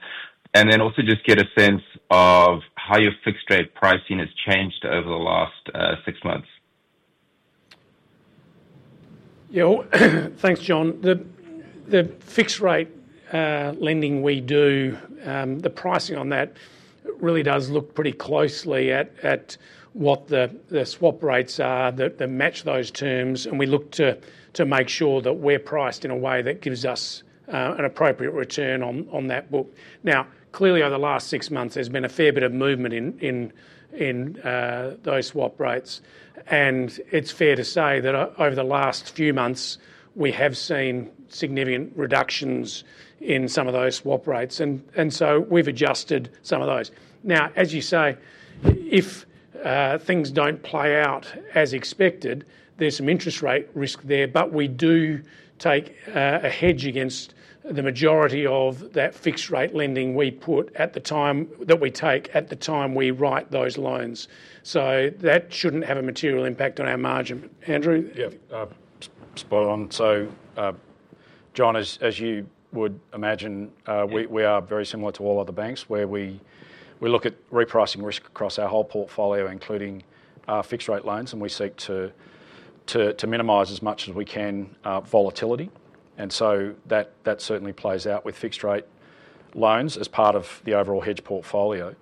And then also just get a sense of how your fixed rate pricing has changed over the last six months. Yeah. Thanks, John. The fixed rate lending we do, the pricing on that really does look pretty closely at what the swap rates are that match those terms. And we look to make sure that we're priced in a way that gives us an appropriate return on that book. Now, clearly, over the last six months, there's been a fair bit of movement in those swap rates. And it's fair to say that over the last few months, we have seen significant reductions in some of those swap rates. And so we've adjusted some of those. Now, as you say, if things don't play out as expected, there's some interest rate risk there. But we do take a hedge against the majority of that fixed rate lending we put at the time we write those loans. So that shouldn't have a material impact on our margin. Andrew? Yeah. Spot on. So John, as you would imagine, we are very similar to all other banks where we look at repricing risk across our whole portfolio, including fixed rate loans, and we seek to minimize as much as we can volatility, and so that certainly plays out with fixed rate loans as part of the overall hedge portfolio.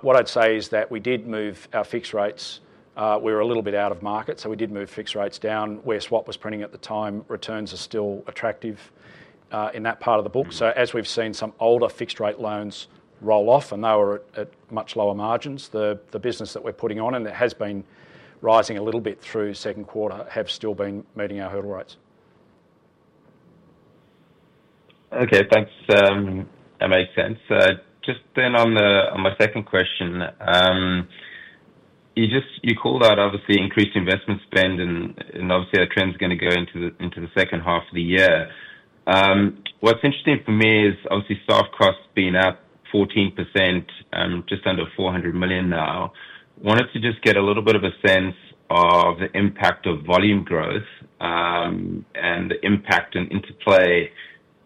What I'd say is that we did move our fixed rates. We were a little bit out of market, so we did move fixed rates down where swap was printing at the time. Returns are still attractive in that part of the book, so as we've seen some older fixed rate loans roll off and they were at much lower margins, the business that we're putting on and that has been rising a little bit through second quarter have still been meeting our hurdle rates. Okay. Thanks. That makes sense. Just then on my second question, you called out obviously increased investment spend. And obviously, our spend's going to go into the second half of the year. What's interesting for me is obviously staff costs being up 14%, just under 400 million now. I wanted to just get a little bit of a sense of the impact of volume growth and the impact and interplay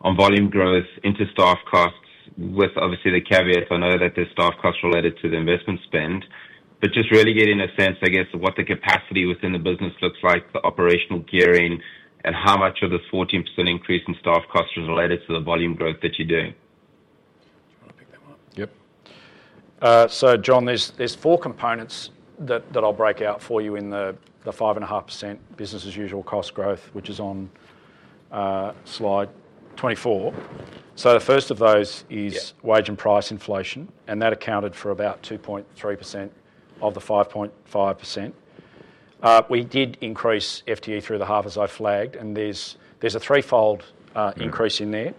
on volume growth into staff costs with obviously the caveat I know that there's staff costs related to the investment spend, but just really getting a sense, I guess, of what the capacity within the business looks like, the operational gearing, and how much of this 14% increase in staff costs is related to the volume growth that you're doing. I'll pick that one up. Yep. So John, there's four components that I'll break out for you in the 5.5% business as usual cost growth, which is on slide 24. So the first of those is wage and price inflation. And that accounted for about 2.3% of the 5.5%. We did increase FTE through the half as I flagged. And there's a threefold increase in there.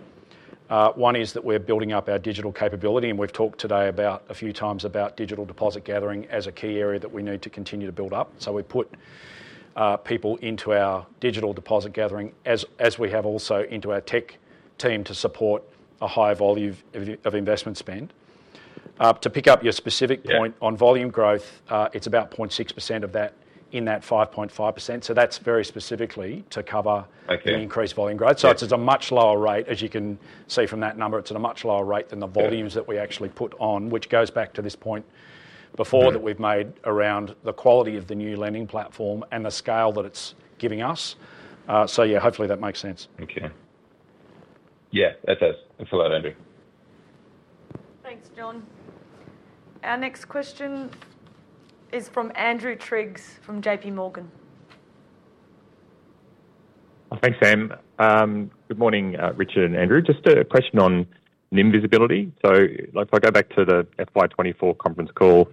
One is that we're building up our digital capability. And we've talked today a few times about digital deposit gathering as a key area that we need to continue to build up. So we put people into our digital deposit gathering as we have also into our tech team to support a higher volume of investment spend. To pick up your specific point on volume growth, it's about 0.6% of that in that 5.5%. So that's very specifically to cover the increased volume growth. So it's at a much lower rate. As you can see from that number, it's at a much lower rate than the volumes that we actually put on, which goes back to this point before that we've made around the quality of the new Lending Platform and the scale that it's giving us. So yeah, hopefully that makes sense. Okay. Yeah. That does. Thanks a lot, Andrew. Thanks, John. Our next question is from Andrew Triggs from JPMorgan. Thanks, Sam. Good morning, Richard and Andrew. Just a question on NIM visibility. So if I go back to the FY 2024 conference call,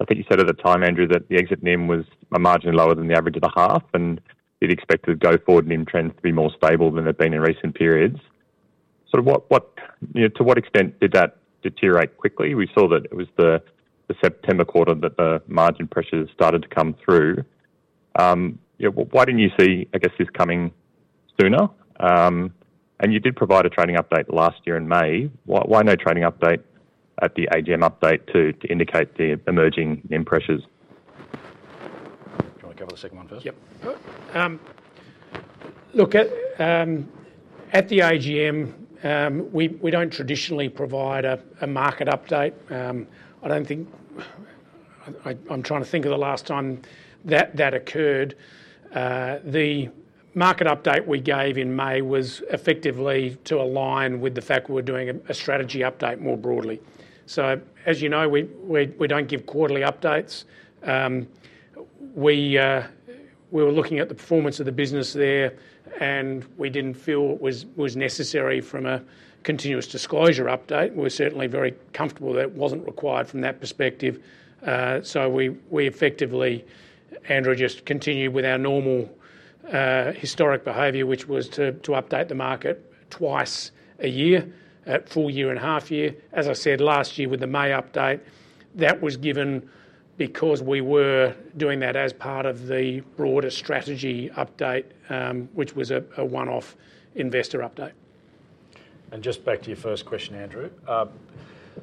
I think you said at the time, Andrew, that the exit NIM was a margin lower than the average of the half and did expect to go forward NIM trends to be more stable than they've been in recent periods. So to what extent did that deteriorate quickly? We saw that it was the September quarter that the margin pressures started to come through. Why didn't you see, I guess, this coming sooner? And you did provide a trailing update last year in May. Why no trailing update at the AGM update to indicate the emerging NIM pressures? Do you want to cover the second one first? Yep. Look, at the AGM, we don't traditionally provide a market update. I'm trying to think of the last time that that occurred. The market update we gave in May was effectively to align with the fact we were doing a strategy update more broadly. So as you know, we don't give quarterly updates. We were looking at the performance of the business there, and we didn't feel it was necessary from a continuous disclosure update. We were certainly very comfortable that it wasn't required from that perspective. So we effectively, Andrew, just continued with our normal historic behavior, which was to update the market twice a year at full year and half year. As I said, last year with the May update, that was given because we were doing that as part of the broader strategy update, which was a one-off investor update. And just back to your first question, Andrew.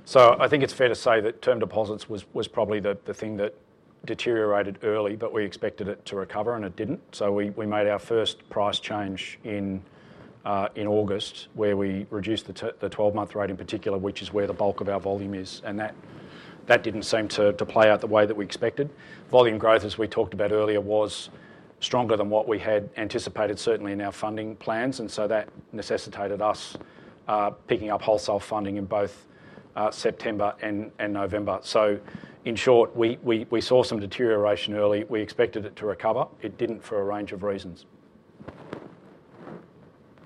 So I think it's fair to say that term deposits was probably the thing that deteriorated early, but we expected it to recover, and it didn't. So we made our first price change in August where we reduced the 12-month rate in particular, which is where the bulk of our volume is. And that didn't seem to play out the way that we expected. Volume growth, as we talked about earlier, was stronger than what we had anticipated, certainly in our funding plans. And so that necessitated us picking up wholesale funding in both September and November. So in short, we saw some deterioration early. We expected it to recover. It didn't for a range of reasons.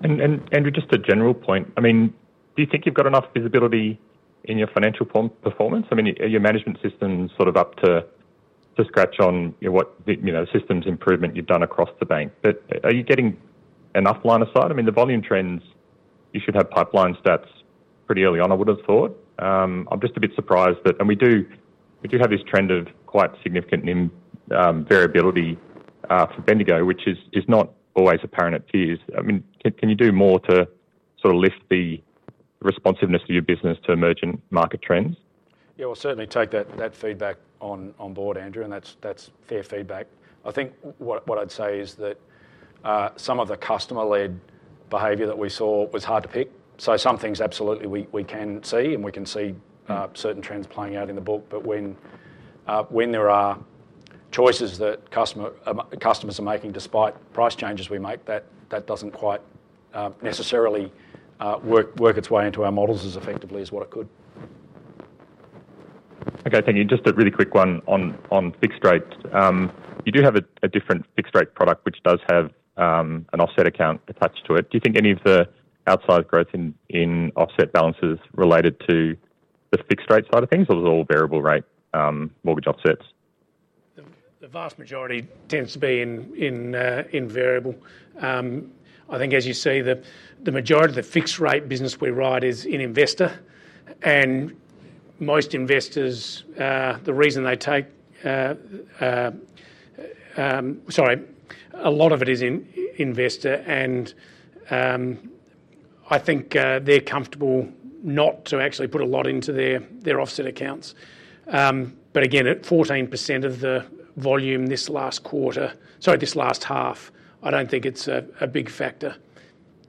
Andrew, just a general point. I mean, do you think you've got enough visibility in your financial performance? I mean, your management system's sort of up to scratch on what systems improvement you've done across the bank. But are you getting enough line of sight? I mean, the volume trends, you should have pipeline stats pretty early on, I would have thought. I'm just a bit surprised that, and we do have this trend of quite significant variability for Bendigo, which is not always apparent at peers. I mean, can you do more to sort of lift the responsiveness of your business to emergent market trends? Yeah. We'll certainly take that feedback on board, Andrew. And that's fair feedback. I think what I'd say is that some of the customer-led behavior that we saw was hard to pick. So some things absolutely we can see, and we can see certain trends playing out in the book. But when there are choices that customers are making despite price changes we make, that doesn't quite necessarily work its way into our models as effectively as what it could. Okay. Thank you. Just a really quick one on fixed rates. You do have a different fixed rate product, which does have an offset account attached to it. Do you think any of the outsize growth in offset balances related to the fixed rate side of things, or was it all variable rate mortgage offsets? The vast majority tends to be in variable. I think, as you see, the majority of the fixed rate business we write is in investor. And most investors, the reason they take, sorry, a lot of it is in investor. And I think they're comfortable not to actually put a lot into their offset accounts. But again, at 14% of the volume this last quarter, sorry, this last half, I don't think it's a big factor.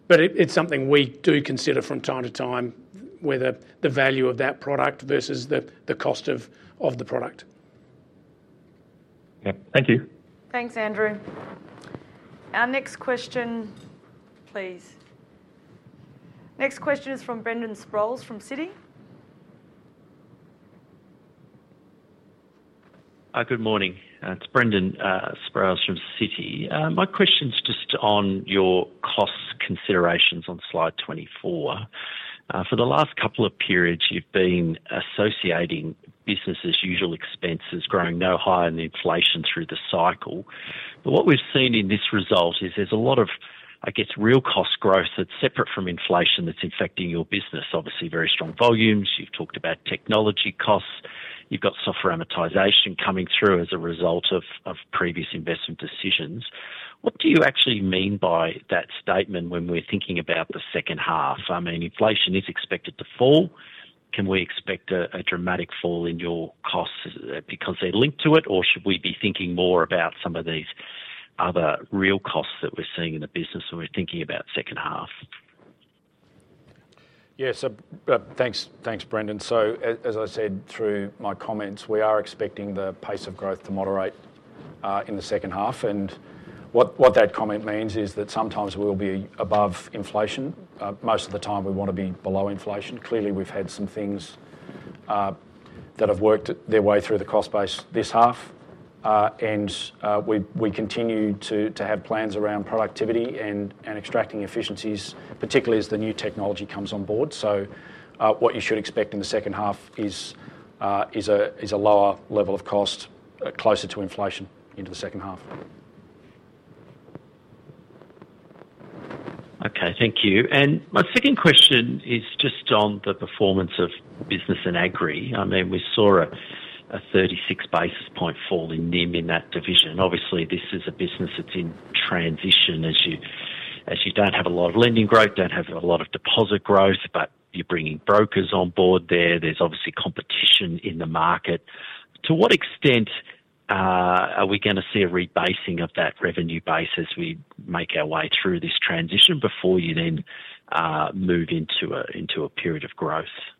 But it's something we do consider from time to time, whether the value of that product versus the cost of the product. Yeah. Thank you. Thanks, Andrew. Our next question, please. Next question is from Brendan Sproules from Citi. Good morning. It's Brendan Sproules from Citi. My question's just on your cost considerations on slide 24. For the last couple of periods, you've been associating business as usual expenses growing no higher than inflation through the cycle. But what we've seen in this result is there's a lot of, I guess, real cost growth that's separate from inflation that's affecting your business. Obviously, very strong volumes. You've talked about technology costs. You've got software amortization coming through as a result of previous investment decisions. What do you actually mean by that statement when we're thinking about the second half? I mean, inflation is expected to fall. Can we expect a dramatic fall in your costs because they're linked to it, or should we be thinking more about some of these other real costs that we're seeing in the business when we're thinking about second half? Yeah. So thanks, Brendan. So as I said through my comments, we are expecting the pace of growth to moderate in the second half. And what that comment means is that sometimes we'll be above inflation. Most of the time, we want to be below inflation. Clearly, we've had some things that have worked their way through the cost base this half. And we continue to have plans around productivity and extracting efficiencies, particularly as the new technology comes on board. So what you should expect in the second half is a lower level of cost closer to inflation into the second half. Okay. Thank you. And my second question is just on the performance of Business and Agri. I mean, we saw a 36 basis points fall in NIM in that division. Obviously, this is a business that's in transition as you don't have a lot of lending growth, don't have a lot of deposit growth, but you're bringing brokers on board there. There's obviously competition in the market. To what extent are we going to see a rebasing of that revenue base as we make our way through this transition before you then move into a period of growth? Yeah.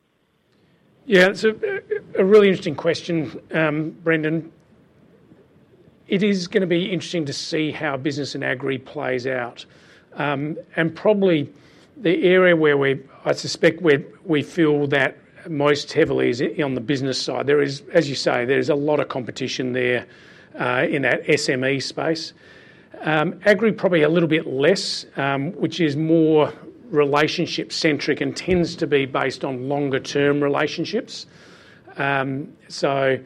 It's a really interesting question, Brendan. It is going to be interesting to see how business in agri plays out. And probably the area where I suspect we feel that most heavily is on the business side. As you say, there's a lot of competition there in that SME space. Agri probably a little bit less, which is more relationship-centric and tends to be based on longer-term relationships. So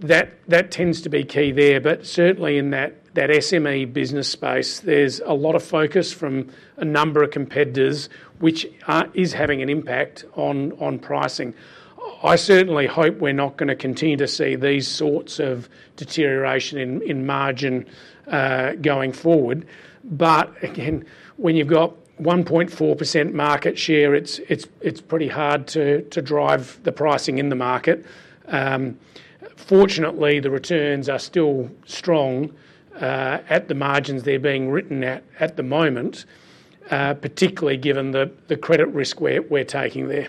that tends to be key there. But certainly in that SME business space, there's a lot of focus from a number of competitors, which is having an impact on pricing. I certainly hope we're not going to continue to see these sorts of deterioration in margin going forward. But again, when you've got 1.4% market share, it's pretty hard to drive the pricing in the market. Fortunately, the returns are still strong at the margins they're being written at at the moment, particularly given the credit risk we're taking there.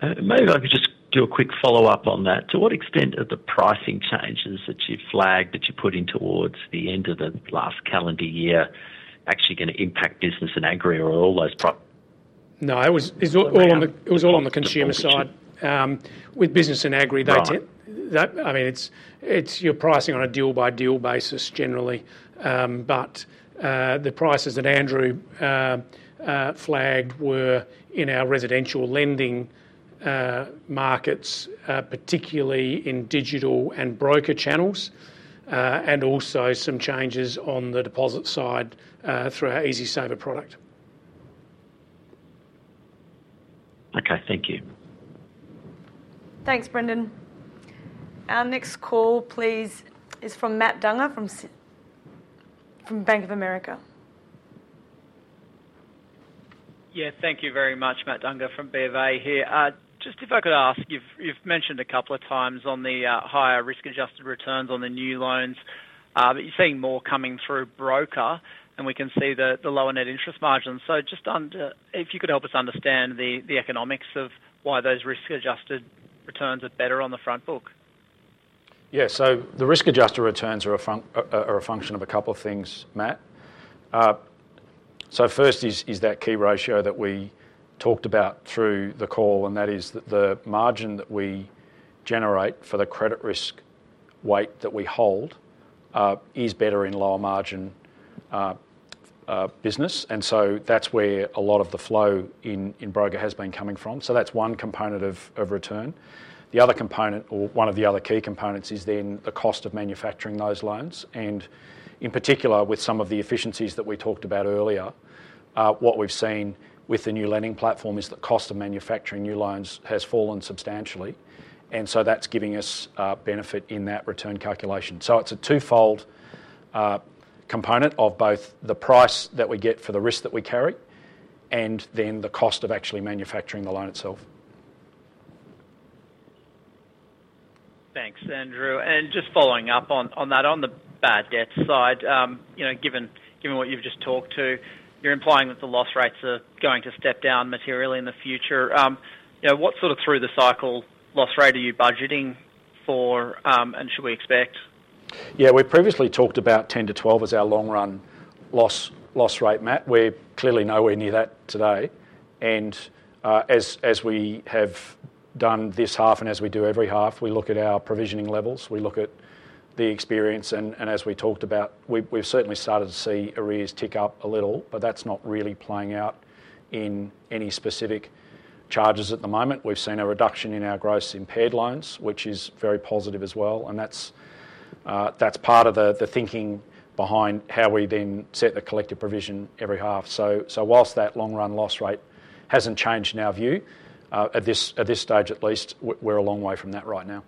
Maybe I could just do a quick follow-up on that. To what extent are the pricing changes that you've flagged that you're putting towards the end of the last calendar year actually going to impact Business and Agri or all those? No. It was all on the consumer side. With Business and Agri, I mean, it's your pricing on a deal-by-deal basis generally. But the prices that Andrew flagged were in our Residential Lending markets, particularly in digital and broker channels, and also some changes on the deposit side through our EasySaver product. Okay. Thank you. Thanks, Brendan. Our next call, please, is from Matt Dunger from Bank of America. Yeah. Thank you very much, Matt Dunger from BofA here. Just if I could ask, you've mentioned a couple of times on the higher risk-adjusted returns on the new loans, but you're seeing more coming through broker, and we can see the lower net interest margin. So just if you could help us understand the economics of why those risk-adjusted returns are better on the front book? Yeah. So the risk-adjusted returns are a function of a couple of things, Matt. So first is that key ratio that we talked about through the call, and that is that the margin that we generate for the credit risk weight that we hold is better in lower margin business. And so that's where a lot of the flow in broker has been coming from. So that's one component of return. The other component, or one of the other key components, is then the cost of manufacturing those loans. And in particular, with some of the efficiencies that we talked about earlier, what we've seen with the new Lending Platform is the cost of manufacturing new loans has fallen substantially. And so that's giving us benefit in that return calculation. It's a twofold component of both the price that we get for the risk that we carry and then the cost of actually manufacturing the loan itself. Thanks, Andrew. And just following up on that, on the bad debt side, given what you've just talked to, you're implying that the loss rates are going to step down materially in the future. What sort of through-the-cycle loss rate are you budgeting for, and should we expect? Yeah. We previously talked about 10 to 12 as our long-run loss rate, Matt. We clearly know we're near that today. And as we have done this half and as we do every half, we look at our provisioning levels. We look at the experience. And as we talked about, we've certainly started to see arrears tick up a little, but that's not really playing out in any specific charges at the moment. We've seen a reduction in our gross impaired loans, which is very positive as well. And that's part of the thinking behind how we then set the collective provision every half. So while that long-run loss rate hasn't changed in our view, at this stage at least, we're a long way from that right now.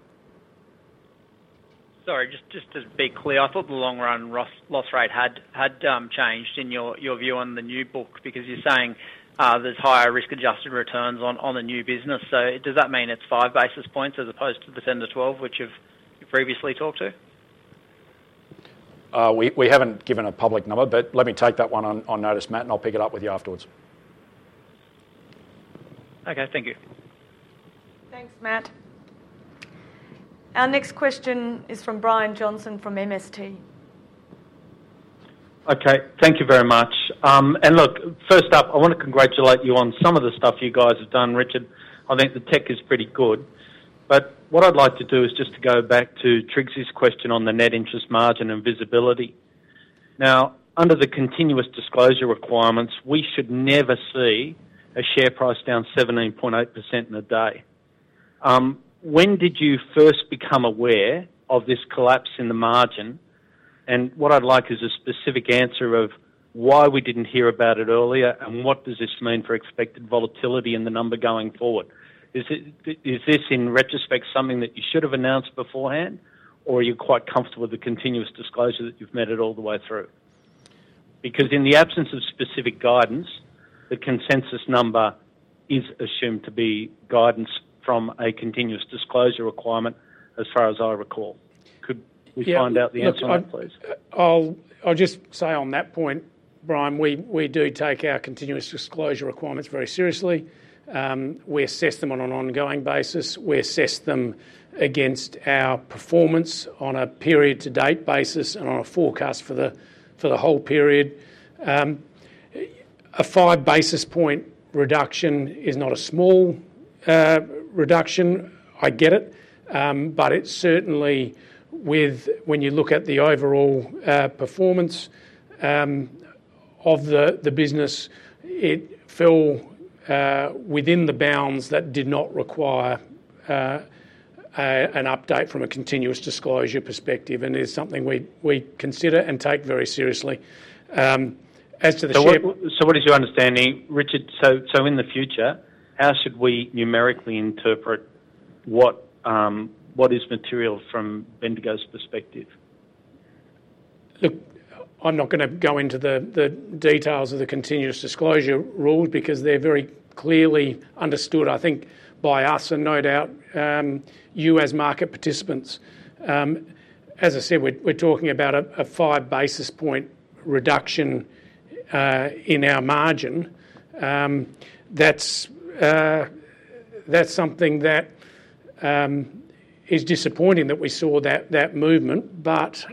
Sorry. Just to be clear, I thought the long-run loss rate had changed in your view on the new book because you're saying there's higher risk-adjusted returns on the new business. So does that mean it's 5 basis points as opposed to the 10-12 which you've previously talked to? We haven't given a public number, but let me take that one on notice, Matt, and I'll pick it up with you afterwards. Okay. Thank you. Thanks, Matt. Our next question is from Brian Johnson from MST. Okay. Thank you very much. And look, first up, I want to congratulate you on some of the stuff you guys have done, Richard. I think the tech is pretty good. But what I'd like to do is just to go back to Triggs' question on the net interest margin and visibility. Now, under the continuous disclosure requirements, we should never see a share price down 17.8% in a day. When did you first become aware of this collapse in the margin? And what I'd like is a specific answer of why we didn't hear about it earlier and what does this mean for expected volatility in the number going forward. Is this, in retrospect, something that you should have announced beforehand, or are you quite comfortable with the continuous disclosure that you've met it all the way through? Because in the absence of specific guidance, the consensus number is assumed to be guidance from a continuous disclosure requirement as far as I recall. Could we find out the answer on that, please? Yeah. That's fine. I'll just say on that point, Brian, we do take our continuous disclosure requirements very seriously. We assess them on an ongoing basis. We assess them against our performance on a period-to-date basis and on a forecast for the whole period. A 5 basis point reduction is not a small reduction. I get it. But it's certainly when you look at the overall performance of the business, it fell within the bounds that did not require an update from a continuous disclosure perspective. And it is something we consider and take very seriously. As to the share. So what is your understanding, Richard? So in the future, how should we numerically interpret what is material from Bendigo's perspective? Look, I'm not going to go into the details of the continuous disclosure rules because they're very clearly understood, I think, by us and no doubt you as market participants. As I said, we're talking about a 5 basis point reduction in our margin. That's something that is disappointing that we saw that movement. But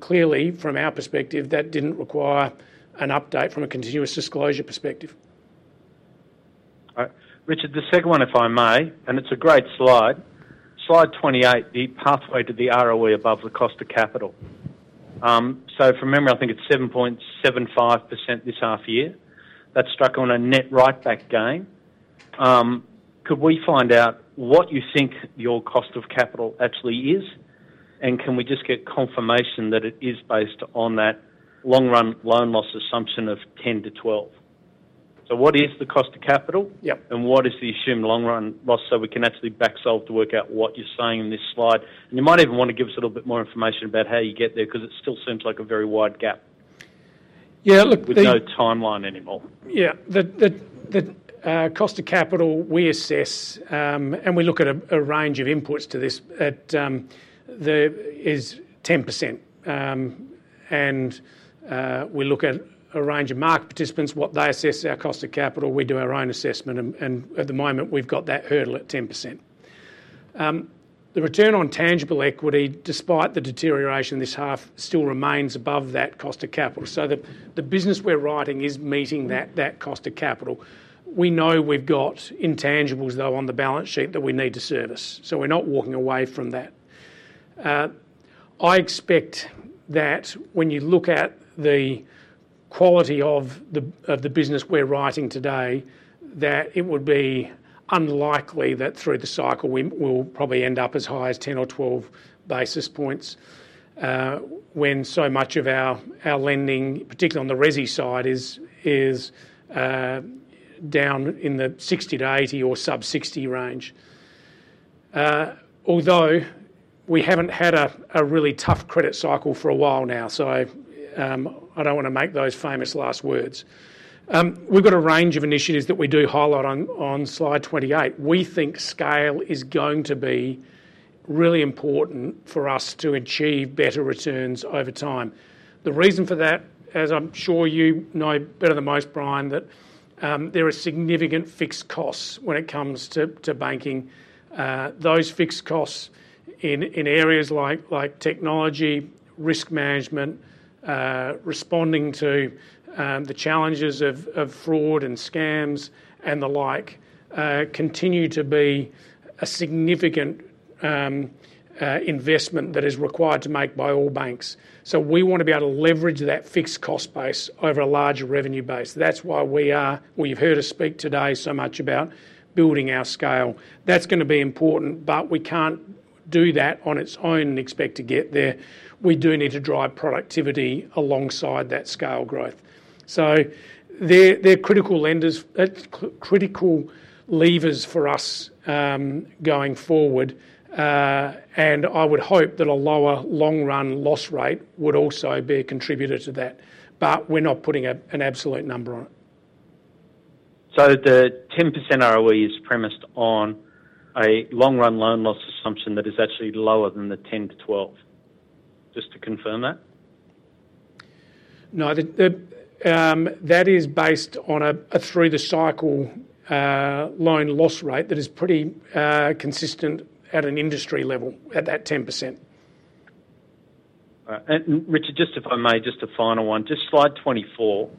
clearly, from our perspective, that didn't require an update from a continuous disclosure perspective. Richard, the second one, if I may, and it's a great slide. Slide 28, the pathway to the ROE above the cost of capital. So from memory, I think it's 7.75% this half year. That's struck on a net write-back gain. Could we find out what you think your cost of capital actually is? And can we just get confirmation that it is based on that long-run loan loss assumption of 10-12? So what is the cost of capital? And what is the assumed long-run loss so we can actually backsolve to work out what you're saying in this slide? And you might even want to give us a little bit more information about how you get there because it still seems like a very wide gap. Yeah. Look. With no timeline anymore. Yeah. The cost of capital we assess, and we look at a range of inputs to this, is 10%. And we look at a range of market participants, what they assess our cost of capital. We do our own assessment. And at the moment, we've got that hurdle at 10%. The return on tangible equity, despite the deterioration this half, still remains above that cost of capital. So the business we're writing is meeting that cost of capital. We know we've got intangibles, though, on the balance sheet that we need to service. So we're not walking away from that. I expect that when you look at the quality of the business we're writing today, that it would be unlikely that through the cycle we will probably end up as high as 10 basis points or 12 basis points when so much of our lending, particularly on the resi side, is down in the 60-80 or sub-60 range. Although we haven't had a really tough credit cycle for a while now, so I don't want to make those famous last words. We've got a range of initiatives that we do highlight on slide 28. We think scale is going to be really important for us to achieve better returns over time. The reason for that, as I'm sure you know better than most, Brian, that there are significant fixed costs when it comes to banking. Those fixed costs in areas like technology, risk management, responding to the challenges of fraud and scams and the like continue to be a significant investment that is required to make by all banks. So we want to be able to leverage that fixed cost base over a larger revenue base. That's why we are, well, you've heard us speak today so much about building our scale. That's going to be important, but we can't do that on its own and expect to get there. We do need to drive productivity alongside that scale growth. So they're critical levers for us going forward. And I would hope that a lower long-run loss rate would also be a contributor to that. But we're not putting an absolute number on it. So the 10% ROE is premised on a long-run loan loss assumption that is actually lower than the 10-12? Just to confirm that. No. That is based on a through-the-cycle loan loss rate that is pretty consistent at an industry level at that 10%. Richard, just if I may, just a final one. Just slide 24.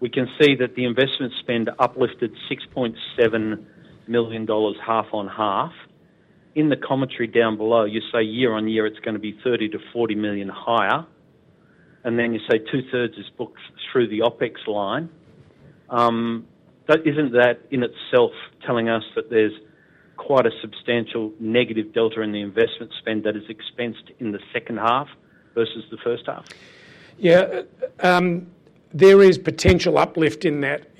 We can see that the investment spend uplifted 6.7 million dollars half on half. In the commentary down below, you say year on year it's going to be 30 million-40 million higher. And then you say 2/3 is booked through the OpEx line. Isn't that in itself telling us that there's quite a substantial negative delta in the investment spend that is expensed in the second half versus the first half? Yeah. There is potential uplift in that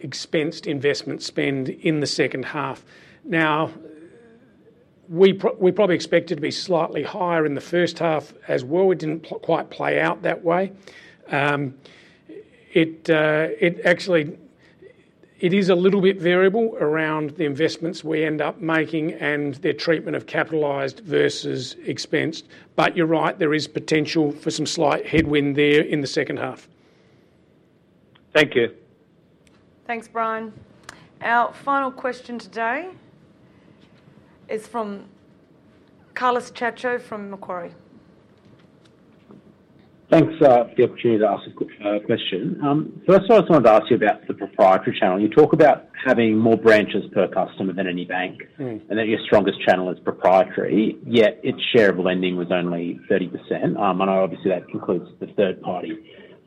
expensed investment spend in the second half. Now, we probably expected to be slightly higher in the first half as well. It didn't quite play out that way. Actually, it is a little bit variable around the investments we end up making and their treatment of capitalized versus expensed. But you're right, there is potential for some slight headwind there in the second half. Thank you. Thanks, Brian. Our final question today is from Carlos Cacho from Macquarie. Thanks for the opportunity to ask a question. First of all, I just wanted to ask you about the proprietary channel. You talk about having more branches per customer than any bank and that your strongest channel is proprietary, yet its share of lending was only 30%, and obviously, that includes the third-party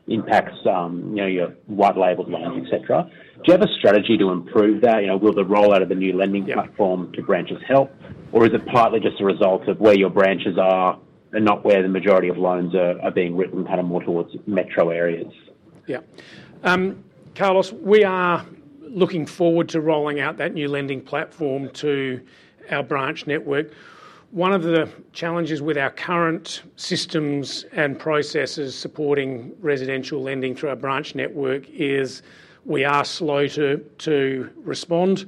impacts, your white-labelled loans, etc. Do you have a strategy to improve that? Will the rollout of the new Lending Platform to branches help? Or is it partly just a result of where your branches are and not where the majority of loans are being written, kind of more towards metro areas? Yeah. Carlos, we are looking forward to rolling out that new Lending Platform to our branch network. One of the challenges with our current systems and processes supporting Residential Lending through our branch network is we are slow to respond,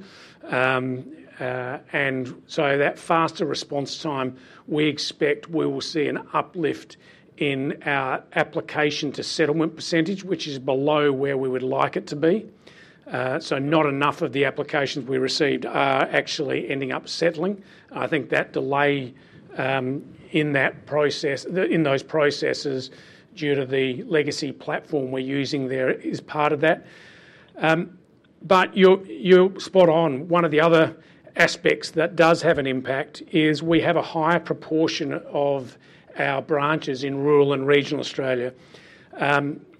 and so that faster response time, we expect we will see an uplift in our application-to-settlement percentage, which is below where we would like it to be, so not enough of the applications we received are actually ending up settling. I think that delay in those processes due to the legacy platform we're using there is part of that, but you're spot on. One of the other aspects that does have an impact is we have a higher proportion of our branches in rural and regional Australia.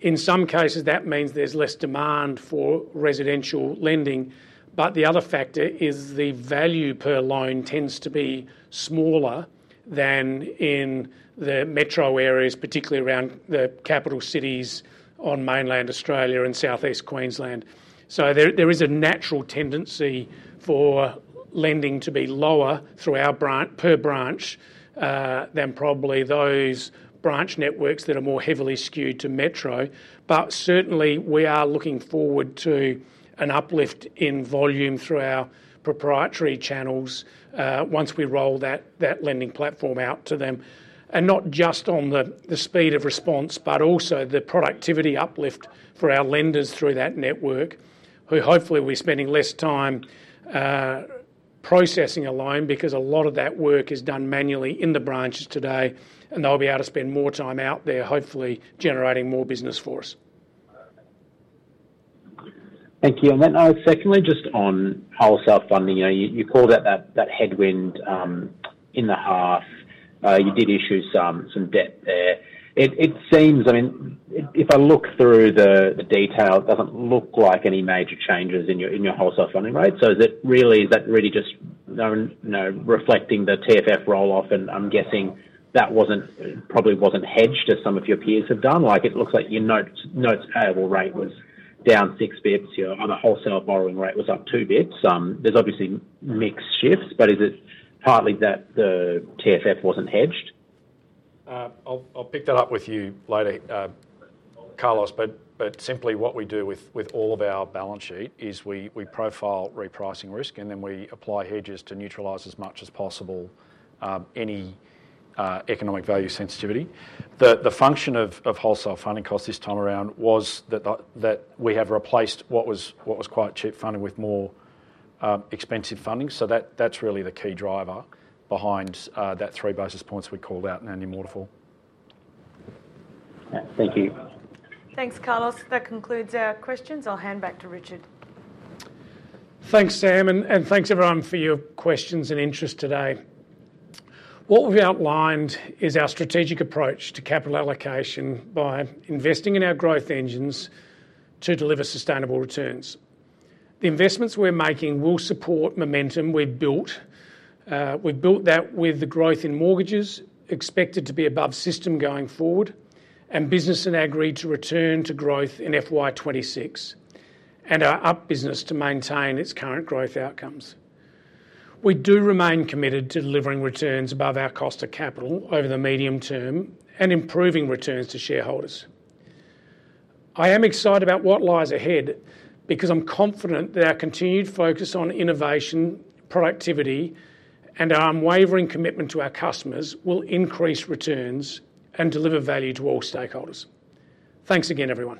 In some cases, that means there's less demand for Residential Lending. But the other factor is the value per loan tends to be smaller than in the metro areas, particularly around the capital cities on mainland Australia and Southeast Queensland. So there is a natural tendency for lending to be lower per branch than probably those branch networks that are more heavily skewed to metro. But certainly, we are looking forward to an uplift in volume through our proprietary channels once we roll that Lending Platform out to them. And not just on the speed of response, but also the productivity uplift for our lenders through that network, who hopefully will be spending less time processing a loan because a lot of that work is done manually in the branches today. And they'll be able to spend more time out there, hopefully generating more business for us. Thank you. And then secondly, just on wholesale funding, you call that that headwind in the half. You did issue some debt there. It seems, I mean, if I look through the detail, it doesn't look like any major changes in your wholesale funding rate. So is it really just reflecting the TFF rolloff? And I'm guessing that probably wasn't hedged as some of your peers have done. It looks like your notes payable rate was down six bits. Your other wholesale borrowing rate was up two bits. There's obviously mixed shifts, but is it partly that the TFF wasn't hedged? I'll pick that up with you later, Carlos. But simply, what we do with all of our balance sheet is we profile repricing risk, and then we apply hedges to neutralize as much as possible any economic value sensitivity. The function of wholesale funding costs this time around was that we have replaced what was quite cheap funding with more expensive funding. So that's really the key driver behind that 3 basis points we called out in annual waterfall. Thank you. Thanks, Carlos. That concludes our questions. I'll hand back to Richard. Thanks, Sam. And thanks, everyone, for your questions and interest today. What we've outlined is our strategic approach to capital allocation by investing in our growth engines to deliver sustainable returns. The investments we're making will support momentum we've built. We've built that with the growth in mortgages expected to be above system going forward, and business lending expected to return to growth in FY 2026 and our Up business to maintain its current growth outcomes. We do remain committed to delivering returns above our cost of capital over the medium term and improving returns to shareholders. I am excited about what lies ahead because I'm confident that our continued focus on innovation, productivity, and our unwavering commitment to our customers will increase returns and deliver value to all stakeholders. Thanks again, everyone.